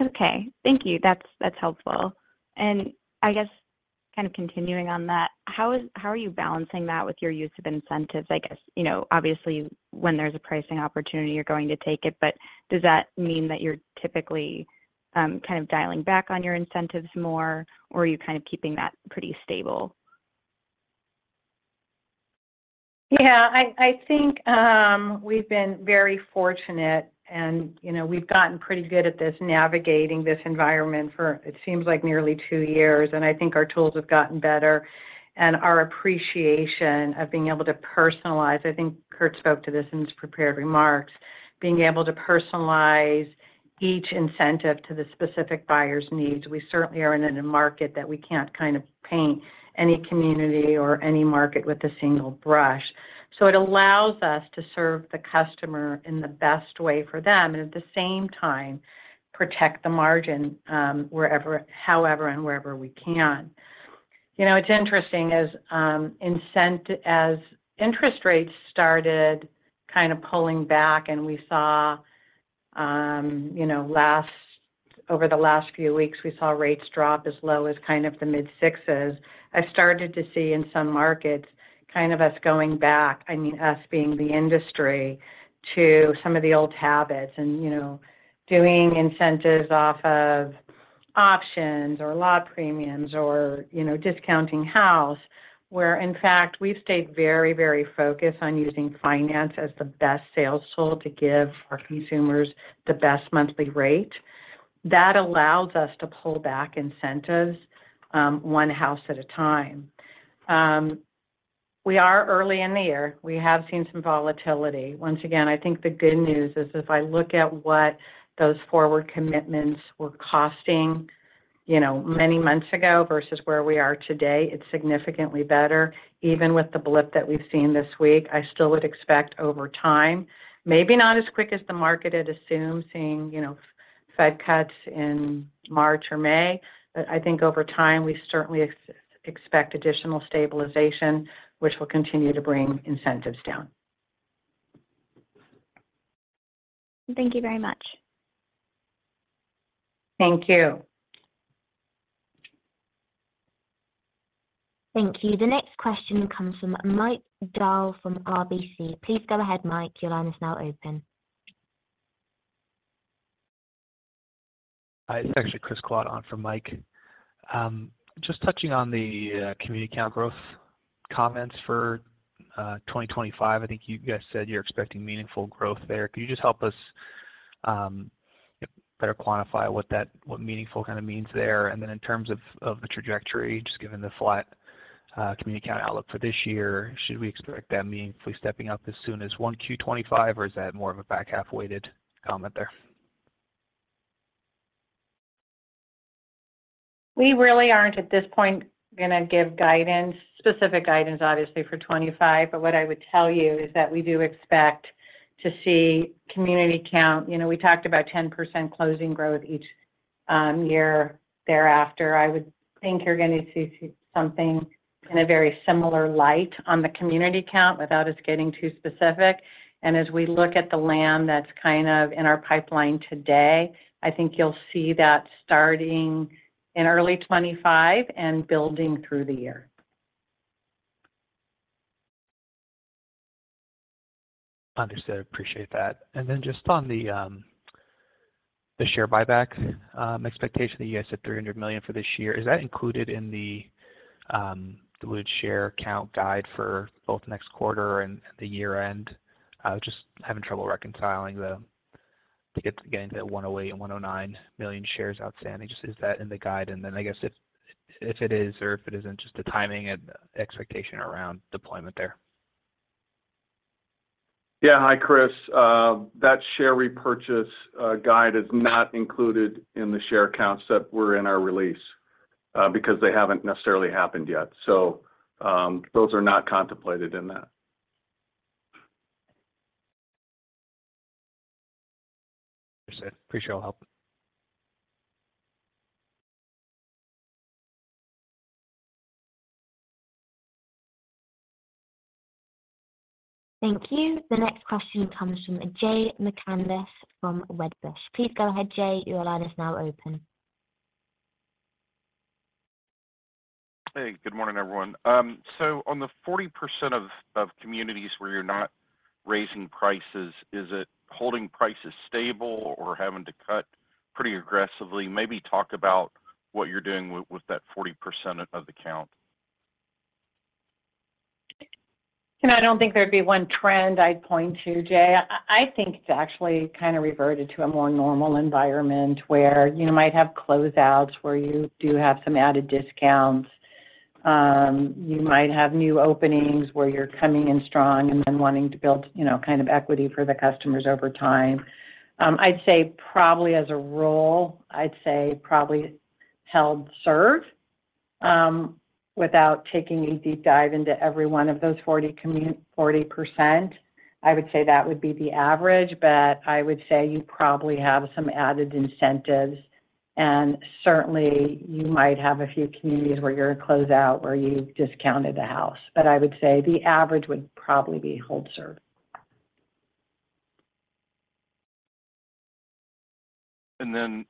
Okay. Thank you. That's helpful. And I guess kind of continuing on that, how are you balancing that with your use of incentives? I guess, obviously, when there's a pricing opportunity, you're going to take it. But does that mean that you're typically kind of dialing back on your incentives more, or are you kind of keeping that pretty stable? Yeah, I think we've been very fortunate, and we've gotten pretty good at navigating this environment for, it seems like, nearly two years. I think our tools have gotten better. Our appreciation of being able to personalize, I think Curt spoke to this in his prepared remarks, being able to personalize each incentive to the specific buyer's needs. We certainly are in a market that we can't kind of paint any community or any market with a single brush. So it allows us to serve the customer in the best way for them and at the same time protect the margin however and wherever we can. It's interesting as interest rates started kind of pulling back, and we saw over the last few weeks, we saw rates drop as low as kind of the mid-sixes. I started to see in some markets kind of us going back, I mean, us being the industry, to some of the old habits and doing incentives off of options or lot premiums or discounting house, where, in fact, we've stayed very, very focused on using finance as the best sales tool to give our consumers the best monthly rate. That allows us to pull back incentives one house at a time. We are early in the year. We have seen some volatility. Once again, I think the good news is if I look at what those forward commitments were costing many months ago versus where we are today, it's significantly better. Even with the blip that we've seen this week, I still would expect over time, maybe not as quick as the market had assumed, seeing Fed cuts in March or May. But I think over time, we certainly expect additional stabilization, which will continue to bring incentives down. Thank you very much. Thank you. Thank you. The next question comes from Mike Dahl from RBC. Please go ahead, Mike. Your line is now open. Hi. It's actually Chris Cataldo on from Mike. Just touching on the community count growth comments for 2025. I think you guys said you're expecting meaningful growth there. Could you just help us better quantify what meaningful kind of means there? And then in terms of the trajectory, just given the flat community count outlook for this year, should we expect that meaningfully stepping up as soon as 1Q25, or is that more of a back-half-weighted comment there? We really aren't, at this point, going to give specific guidance, obviously, for 2025. But what I would tell you is that we do expect to see community count we talked about 10% closing growth each year thereafter. I would think you're going to see something in a very similar light on the community count without us getting too specific. And as we look at the land that's kind of in our pipeline today, I think you'll see that starting in early 2025 and building through the year. Understood. Appreciate that. And then just on the share buyback expectation, you guys said $300,000,000 for this year. Is that included in the diluted share count guide for both next quarter and the year-end? I'm just having trouble reconciling the getting to that 108,000,000 and 109,000,000shares outstanding. Just is that in the guide? And then I guess if it is or if it isn't, just the timing and expectation around deployment there. Yeah. Hi, Chris. That share repurchase guide is not included in the share accounts that were in our release because they haven't necessarily happened yet. So those are not contemplated in that. Understood. Appreciate all help. Thank you. The next question comes from Jay McCanless from Wedbush. Please go ahead, Jay. Your line is now open. Hey. Good morning, everyone. So on the 40% of communities where you're not raising prices, is it holding prices stable or having to cut pretty aggressively? Maybe talk about what you're doing with that 40% of the count. I don't think there'd be one trend I'd point to, Jay. I think it's actually kind of reverted to a more normal environment where you might have closeouts where you do have some added discounts. You might have new openings where you're coming in strong and then wanting to build kind of equity for the customers over time. I'd say probably as a role, I'd say probably held serve without taking a deep dive into every one of those 40%. I would say that would be the average. But I would say you probably have some added incentives. And certainly, you might have a few communities where you're in closeout where you've discounted the house. But I would say the average would probably be hold serve. And then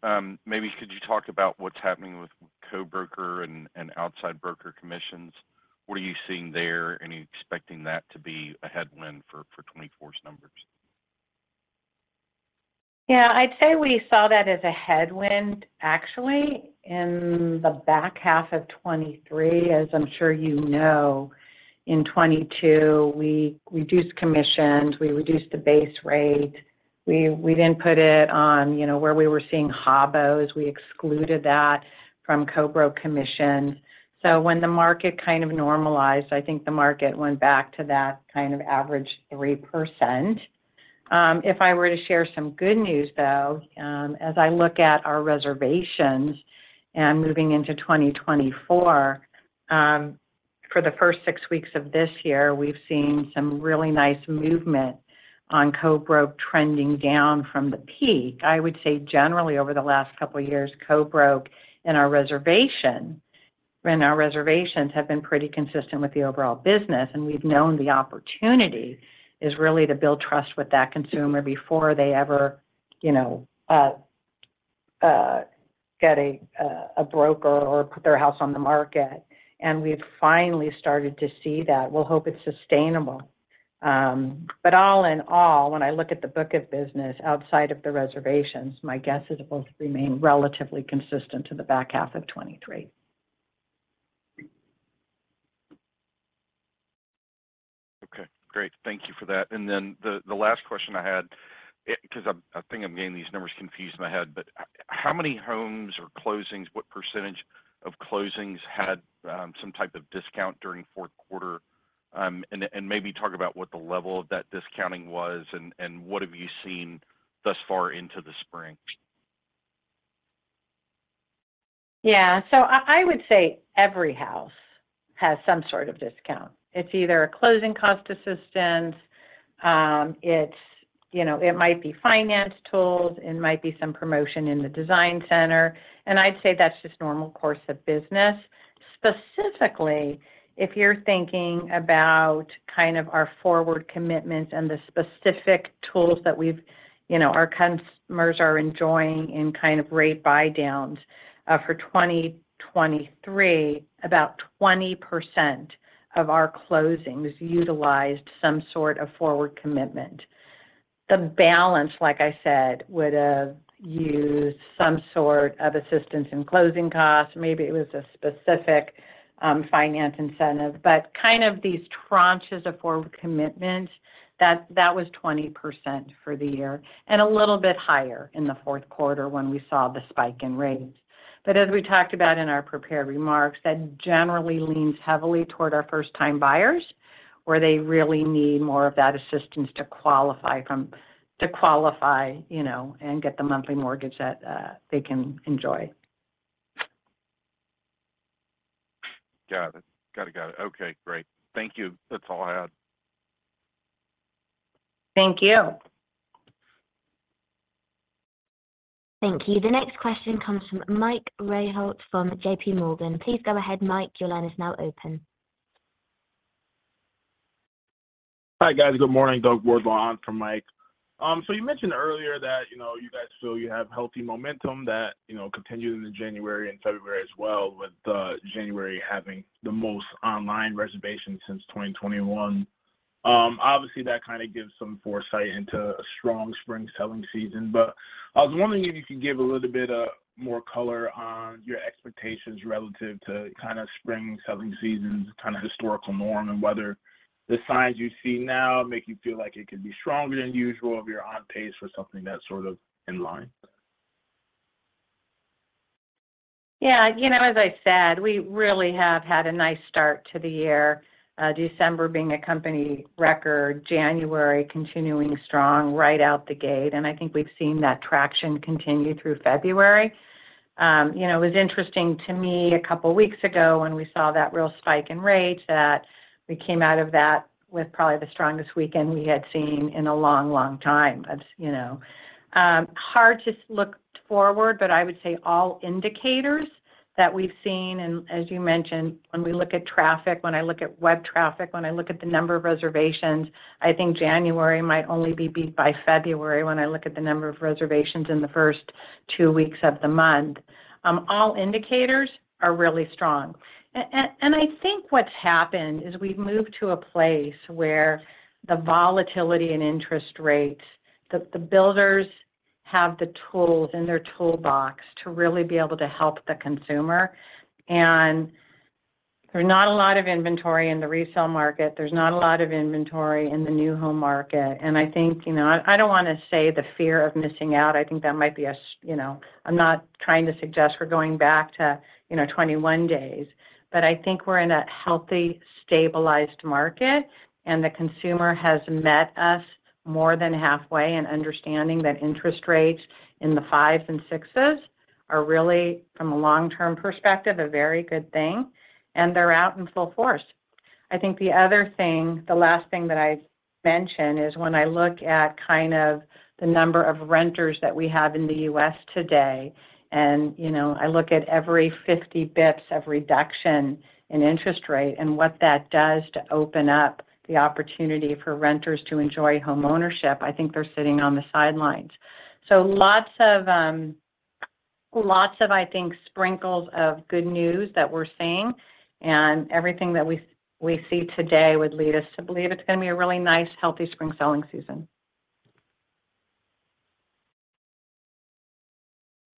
maybe could you talk about what's happening with co-broker and outside broker commissions? What are you seeing there, and are you expecting that to be a headwind for 2024's numbers? Yeah. I'd say we saw that as a headwind, actually, in the back half of 2023. As I'm sure you know, in 2022, we reduced commissions. We reduced the base rate. We didn't put it on where we were seeing HABOs. We excluded that from co-broke commissions. When the market kind of normalized, I think the market went back to that kind of average 3%. If I were to share some good news, though, as I look at our reservations and moving into 2024, for the first six weeks of this year, we've seen some really nice movement on co-broke trending down from the peak. I would say generally, over the last couple of years, co-broke and our reservations have been pretty consistent with the overall business. We've known the opportunity is really to build trust with that consumer before they ever get a broker or put their house on the market. We've finally started to see that. We'll hope it's sustainable. But all in all, when I look at the book of business outside of the reservations, my guess is it will remain relatively consistent to the back half of 2023. Okay. Great. Thank you for that. And then the last question I had because I think I'm getting these numbers confused in my head, but how many homes or closings, what percentage of closings had some type of discount during fourth quarter? And maybe talk about what the level of that discounting was, and what have you seen thus far into the spring? Yeah. So I would say every house has some sort of discount. It's either a closing cost assistance. It might be finance tools. It might be some promotion in the design center. And I'd say that's just normal course of business. Specifically, if you're thinking about kind of our forward commitments and the specific tools that our customers are enjoying in kind of rate buy-downs for 2023, about 20% of our closings utilized some sort of forward commitment. The balance, like I said, would have used some sort of assistance in closing costs. Maybe it was a specific finance incentive. But kind of these tranches of forward commitment, that was 20% for the year and a little bit higher in the fourth quarter when we saw the spike in rates. But as we talked about in our prepared remarks, that generally leans heavily toward our first-time buyers where they really need more of that assistance to qualify and get the monthly mortgage that they can enjoy. Got it. Got it. Got it. Okay. Great. Thank you. That's all I had. Thank you. Thank you. The next question comes from Mike Rehaut from JP Morgan. Please go ahead, Mike. Your line is now open. Hi, guys. Good morning. Doug Wardlaw on from Mike. So you mentioned earlier that you guys feel you have healthy momentum that continued in January and February as well, with January having the most online reservations since 2021. Obviously, that kind of gives some foresight into a strong spring selling season. But I was wondering if you could give a little bit more color on your expectations relative to kind of spring selling season's kind of historical norm and whether the signs you see now make you feel like it could be stronger than usual if you're on pace for something that's sort of in line. Yeah. As I said, we really have had a nice start to the year, December being a company record, January continuing strong right out the gate. I think we've seen that traction continue through February. It was interesting to me a couple of weeks ago when we saw that real spike in rates that we came out of that with probably the strongest weekend we had seen in a long, long time. Hard to look forward, but I would say all indicators that we've seen and as you mentioned, when we look at traffic, when I look at web traffic, when I look at the number of reservations, I think January might only be beat by February when I look at the number of reservations in the first two weeks of the month. All indicators are really strong. And I think what's happened is we've moved to a place where the volatility and interest rates, the builders have the tools in their toolbox to really be able to help the consumer. And there's not a lot of inventory in the resale market. There's not a lot of inventory in the new home market. And I think I don't want to say the fear of missing out. I think that might be, I'm not trying to suggest we're going back to 21 days. But I think we're in a healthy, stabilized market, and the consumer has met us more than halfway in understanding that interest rates in the fives and sixes are really, from a long-term perspective, a very good thing. And they're out in full force. I think the other thing, the last thing that I mentioned, is when I look at kind of the number of renters that we have in the U.S. today, and I look at every 50 bps, every reduction in interest rate, and what that does to open up the opportunity for renters to enjoy home ownership, I think they're sitting on the sidelines. So lots of, I think, sprinkles of good news that we're seeing. And everything that we see today would lead us to believe it's going to be a really nice, healthy spring selling season.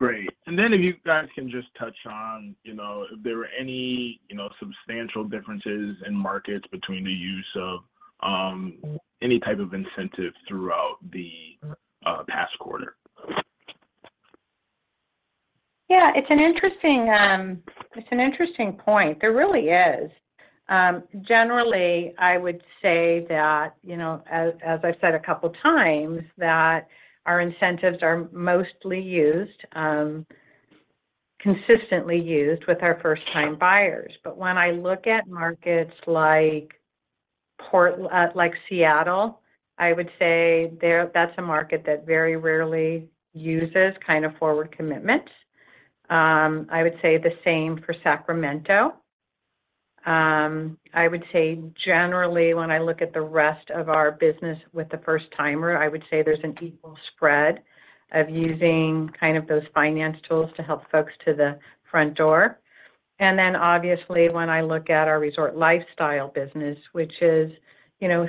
Great. And then if you guys can just touch on if there were any substantial differences in markets between the use of any type of incentive throughout the past quarter. Yeah. It's an interesting point. There really is. Generally, I would say that, as I've said a couple of times, that our incentives are mostly used, consistently used with our first-time buyers. But when I look at markets like Seattle, I would say that's a market that very rarely uses kind of forward commitments. I would say the same for Sacramento. I would say generally, when I look at the rest of our business with the first-timer, I would say there's an equal spread of using kind of those finance tools to help folks to the front door. And then obviously, when I look at our Resort Lifestyle business, which is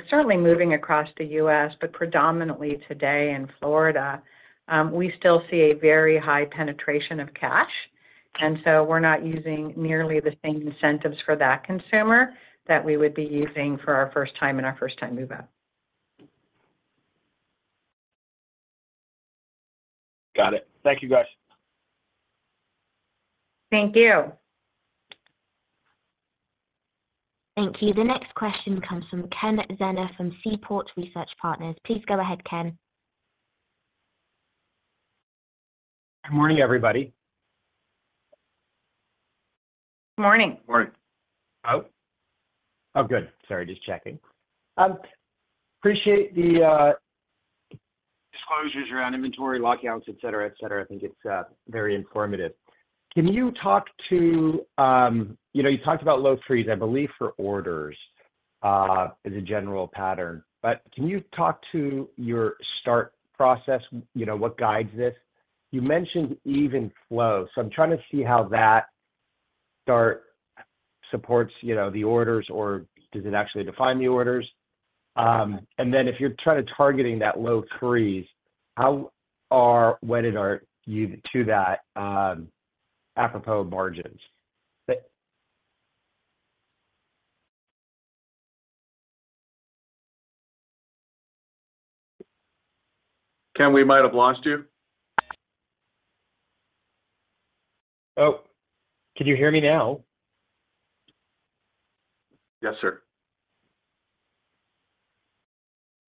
certainly moving across the U.S., but predominantly today in Florida, we still see a very high penetration of cash. And so we're not using nearly the same incentives for that consumer that we would be using for our first-time and our first-time move-out. Got it. Thank you, guys. Thank you. Thank you. The next question comes from Ken Zener from Seaport Research Partners. Please go ahead, Ken. Good morning, everybody. Good morning. Morning. Hello? Oh, good. Sorry. Just checking. Appreciate the disclosures around inventory breakouts, etc., etc. I think it's very informative. Can you talk to you talked about low threes, I believe, for orders is a general pattern. But can you talk to your start process, what guides this? You mentioned even flow. So I'm trying to see how that start supports the orders, or does it actually define the orders? And then if you're trying to targeting that low freeze, what are you to that apropos margins? Ken, we might have lost you. Oh. Can you hear me now? Yes, sir.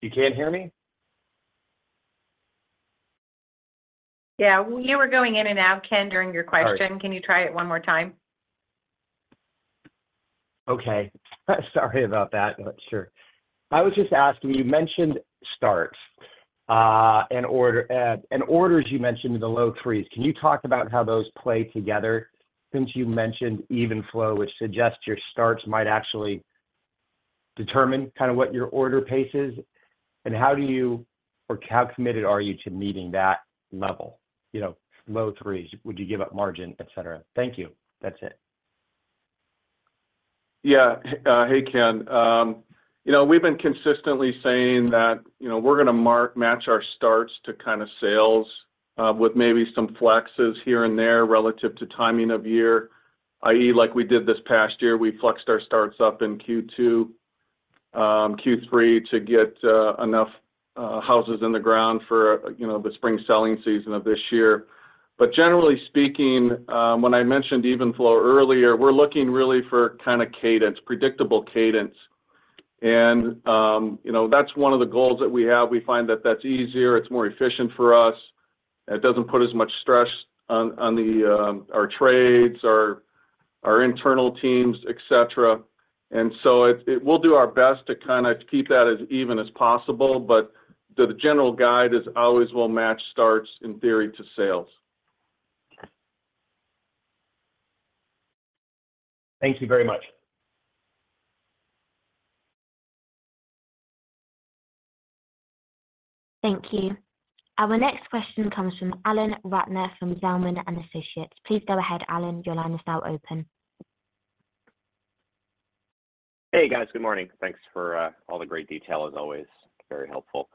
You can't hear me? Yeah. You were going in and out, Ken, during your question. Can you try it one more time? Okay. Sorry about that. Sure. I was just asking, you mentioned starts. Orders you mentioned in the low threes, can you talk about how those play together? Since you mentioned even flow, which suggests your starts might actually determine kind of what your order pace is, and how do you or how committed are you to meeting that level, low threes? Would you give up margin, etc.? Thank you. That's it. Yeah. Hey, Ken. We've been consistently saying that we're going to match our starts to kind of sales with maybe some flexes here and there relative to timing of year, i.e., like we did this past year, we flexed our starts up in Q2, Q3 to get enough houses in the ground for the spring selling season of this year. But generally speaking, when I mentioned even flow earlier, we're looking really for kind of cadence, predictable cadence. That's one of the goals that we have. We find that that's easier. It's more efficient for us. It doesn't put as much stress on our trades, our internal teams, etc. And so we'll do our best to kind of keep that as even as possible. But the general guide is always we'll match starts, in theory, to sales. Thank you very much. Thank you. Our next question comes from Alan Ratner from Zelman & Associates. Please go ahead, Alan. Your line is now open. Hey, guys. Good morning. Thanks for all the great detail, as always. Very helpful.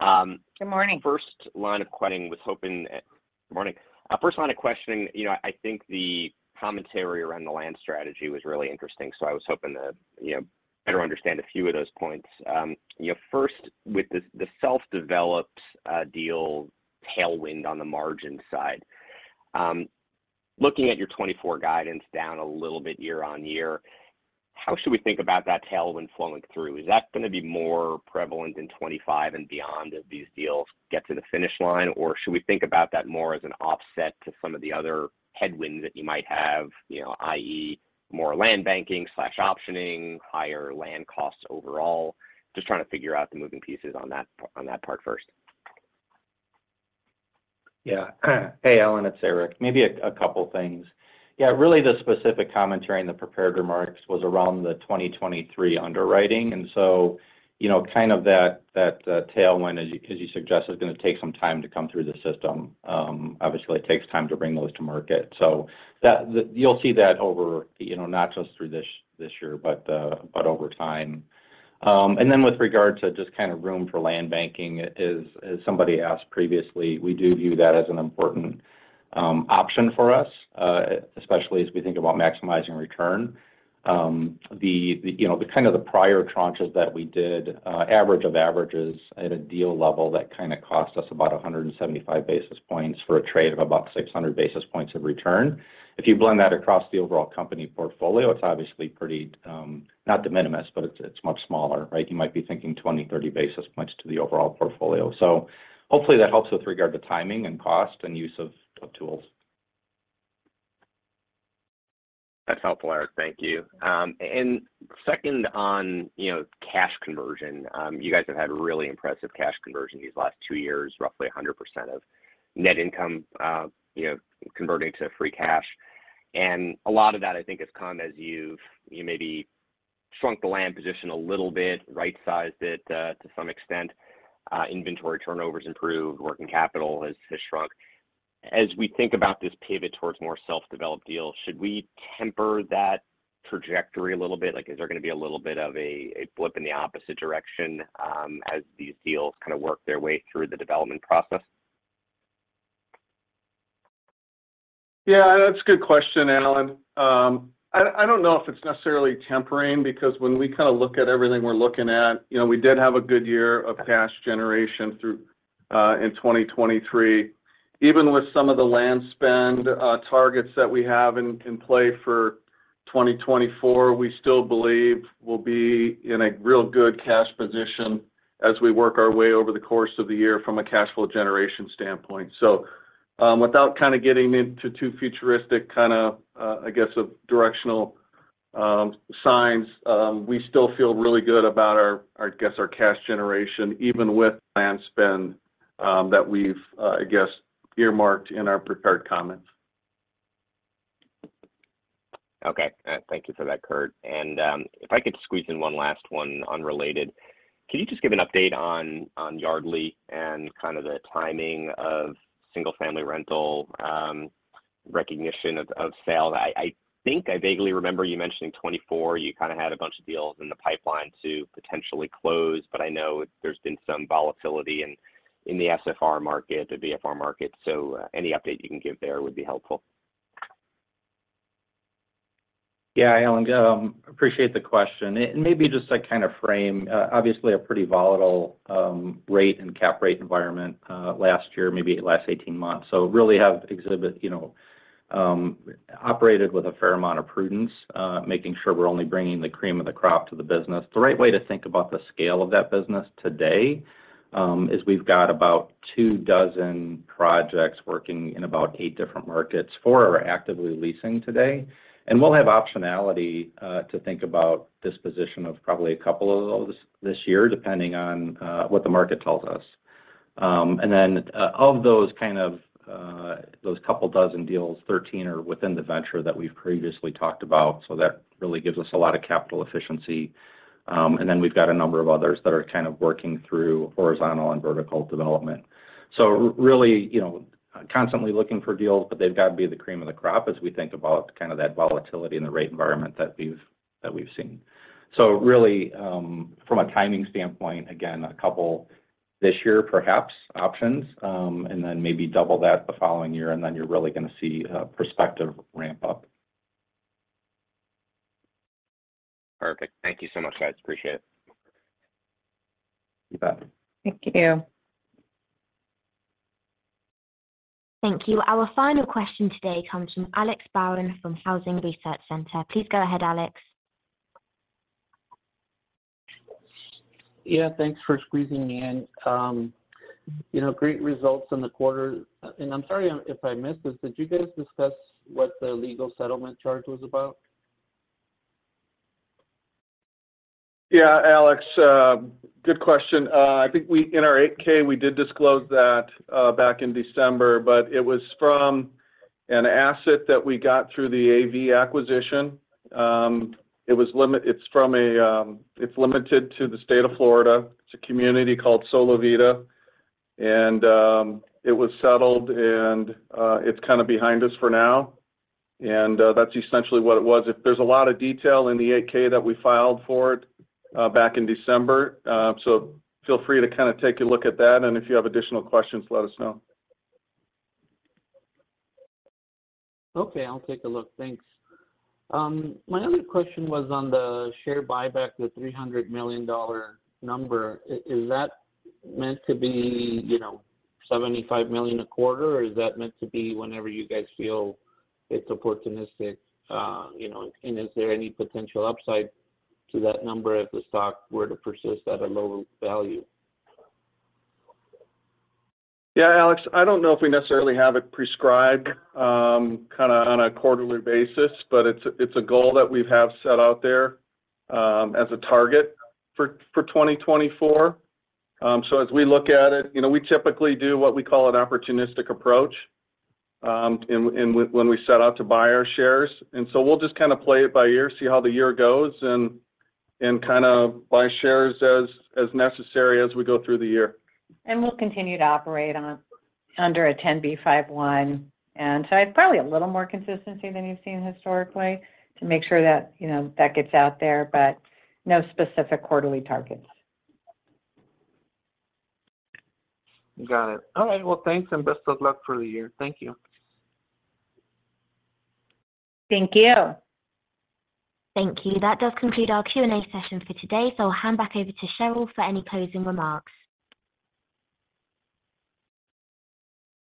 Good morning. First line of questioning, I think the commentary around the land strategy was really interesting. So I was hoping to better understand a few of those points. First, with the self-developed deal tailwind on the margin side, looking at your 2024 guidance down a little bit year on year, how should we think about that tailwind flowing through? Is that going to be more prevalent in 2025 and beyond as these deals get to the finish line, or should we think about that more as an offset to some of the other headwinds that you might have, i.e., more land banking/optioning, higher land costs overall? Just trying to figure out the moving pieces on that part first. Yeah. Hey, Alan. It's Erik. Maybe a couple of things. Yeah. Really, the specific commentary in the prepared remarks was around the 2023 underwriting. And so kind of that tailwind, as you suggest, is going to take some time to come through the system. Obviously, it takes time to bring those to market. So you'll see that over not just through this year, but over time. And then with regard to just kind of room for land banking, as somebody asked previously, we do view that as an important option for us, especially as we think about maximizing return. The kind of the prior tranches that we did, average of averages at a deal level, that kind of cost us about 175 basis points for a trade of about 600 basis points of return. If you blend that across the overall company portfolio, it's obviously pretty not de minimis, but it's much smaller, right? You might be thinking 20, 30 basis points to the overall portfolio. So hopefully, that helps with regard to timing and cost and use of tools. That's helpful, Erik. Thank you. Second on cash conversion, you guys have had really impressive cash conversion these last two years, roughly 100% of net income converting to free cash. And a lot of that, I think, has come as you've maybe shrunk the land position a little bit, right-sized it to some extent. Inventory turnovers improved. Working capital has shrunk. As we think about this pivot towards more self-developed deals, should we temper that trajectory a little bit? Is there going to be a little bit of a flip in the opposite direction as these deals kind of work their way through the development process? Yeah. That's a good question, Alan. I don't know if it's necessarily tempering because when we kind of look at everything we're looking at, we did have a good year of cash generation in 2023. Even with some of the land spend targets that we have in play for 2024, we still believe we'll be in a real good cash position as we work our way over the course of the year from a cash flow generation standpoint. So without kind of getting into too futuristic kind of, I guess, directional signs, we still feel really good about, I guess, our cash generation, even with land spend that we've, I guess, earmarked in our prepared comments. Okay. Thank you for that, Curt. If I could squeeze in one last one unrelated, can you just give an update on Yardly and kind of the timing of single-family rental recognition of sales? I think I vaguely remember you mentioning 2024. You kind of had a bunch of deals in the pipeline to potentially close, but I know there's been some volatility in the SFR market, the BFR market. So any update you can give there would be helpful. Yeah, Alan. Appreciate the question. And maybe just to kind of frame, obviously, a pretty volatile rate and cap rate environment last year, maybe last 18 months. So really have really operated with a fair amount of prudence, making sure we're only bringing the cream of the crop to the business. The right way to think about the scale of that business today is we've got about 24 projects working in about 8 different markets for our actively leasing today. And we'll have optionality to think about disposition of probably a couple of those this year, depending on what the market tells us. And then of those kind of those couple dozen deals, 13 are within the venture that we've previously talked about. So that really gives us a lot of capital efficiency. And then we've got a number of others that are kind of working through horizontal and vertical development. So really constantly looking for deals, but they've got to be the cream of the crop as we think about kind of that volatility and the rate environment that we've seen. So really, from a timing standpoint, again, a couple this year, perhaps, options, and then maybe double that the following year. And then you're really going to see prospective ramp-up. Perfect. Thank you so much, guys. Appreciate it. You bet. Thank you. Thank you. Our final question today comes from Alex Barron from Housing Research Center. Please go ahead, Alex. Yeah. Thanks for squeezing me in. Great results in the quarter. I'm sorry if I missed this. Did you guys discuss what the legal settlement charge was about? Yeah, Alex. Good question. I think in our 8-K, we did disclose that back in December, but it was from an asset that we got through the AV acquisition. It's from. It's limited to the state of Florida. It's a community called Solivita. And it was settled, and it's kind of behind us for now. And that's essentially what it was. There's a lot of detail in the 8-K that we filed for it back in December. So feel free to kind of take a look at that. And if you have additional questions, let us know. Okay. I'll take a look. Thanks. My other question was on the share buyback, the $300,000,000 number. Is that meant to be $75,000,000 a quarter, or is that meant to be whenever you guys feel it's opportunistic? And is there any potential upside to that number if the stock were to persist at a low value? Yeah, Alex. I don't know if we necessarily have it prescribed kind of on a quarterly basis, but it's a goal that we have set out there as a target for 2024. So as we look at it, we typically do what we call an opportunistic approach when we set out to buy our shares. And so we'll just kind of play it by year, see how the year goes, and kind of buy shares as necessary as we go through the year. And we'll continue to operate under a 10b5-1.And so it's probably a little more consistency than you've seen historically to make sure that gets out there, but no specific quarterly targets. Got it. All right. Well, thanks, and best of luck for the year. Thank you. Thank you. Thank you. That does conclude our Q&A session for today. So I'll hand back over to Sheryl for any closing remarks.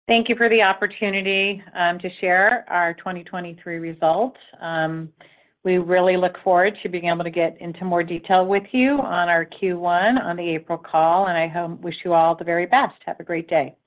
Thank you for the opportunity to share our 2023 results. We really look forward to being able to get into more detail with you on our Q1 on the April call. And I wish you all the very best. Have a great day.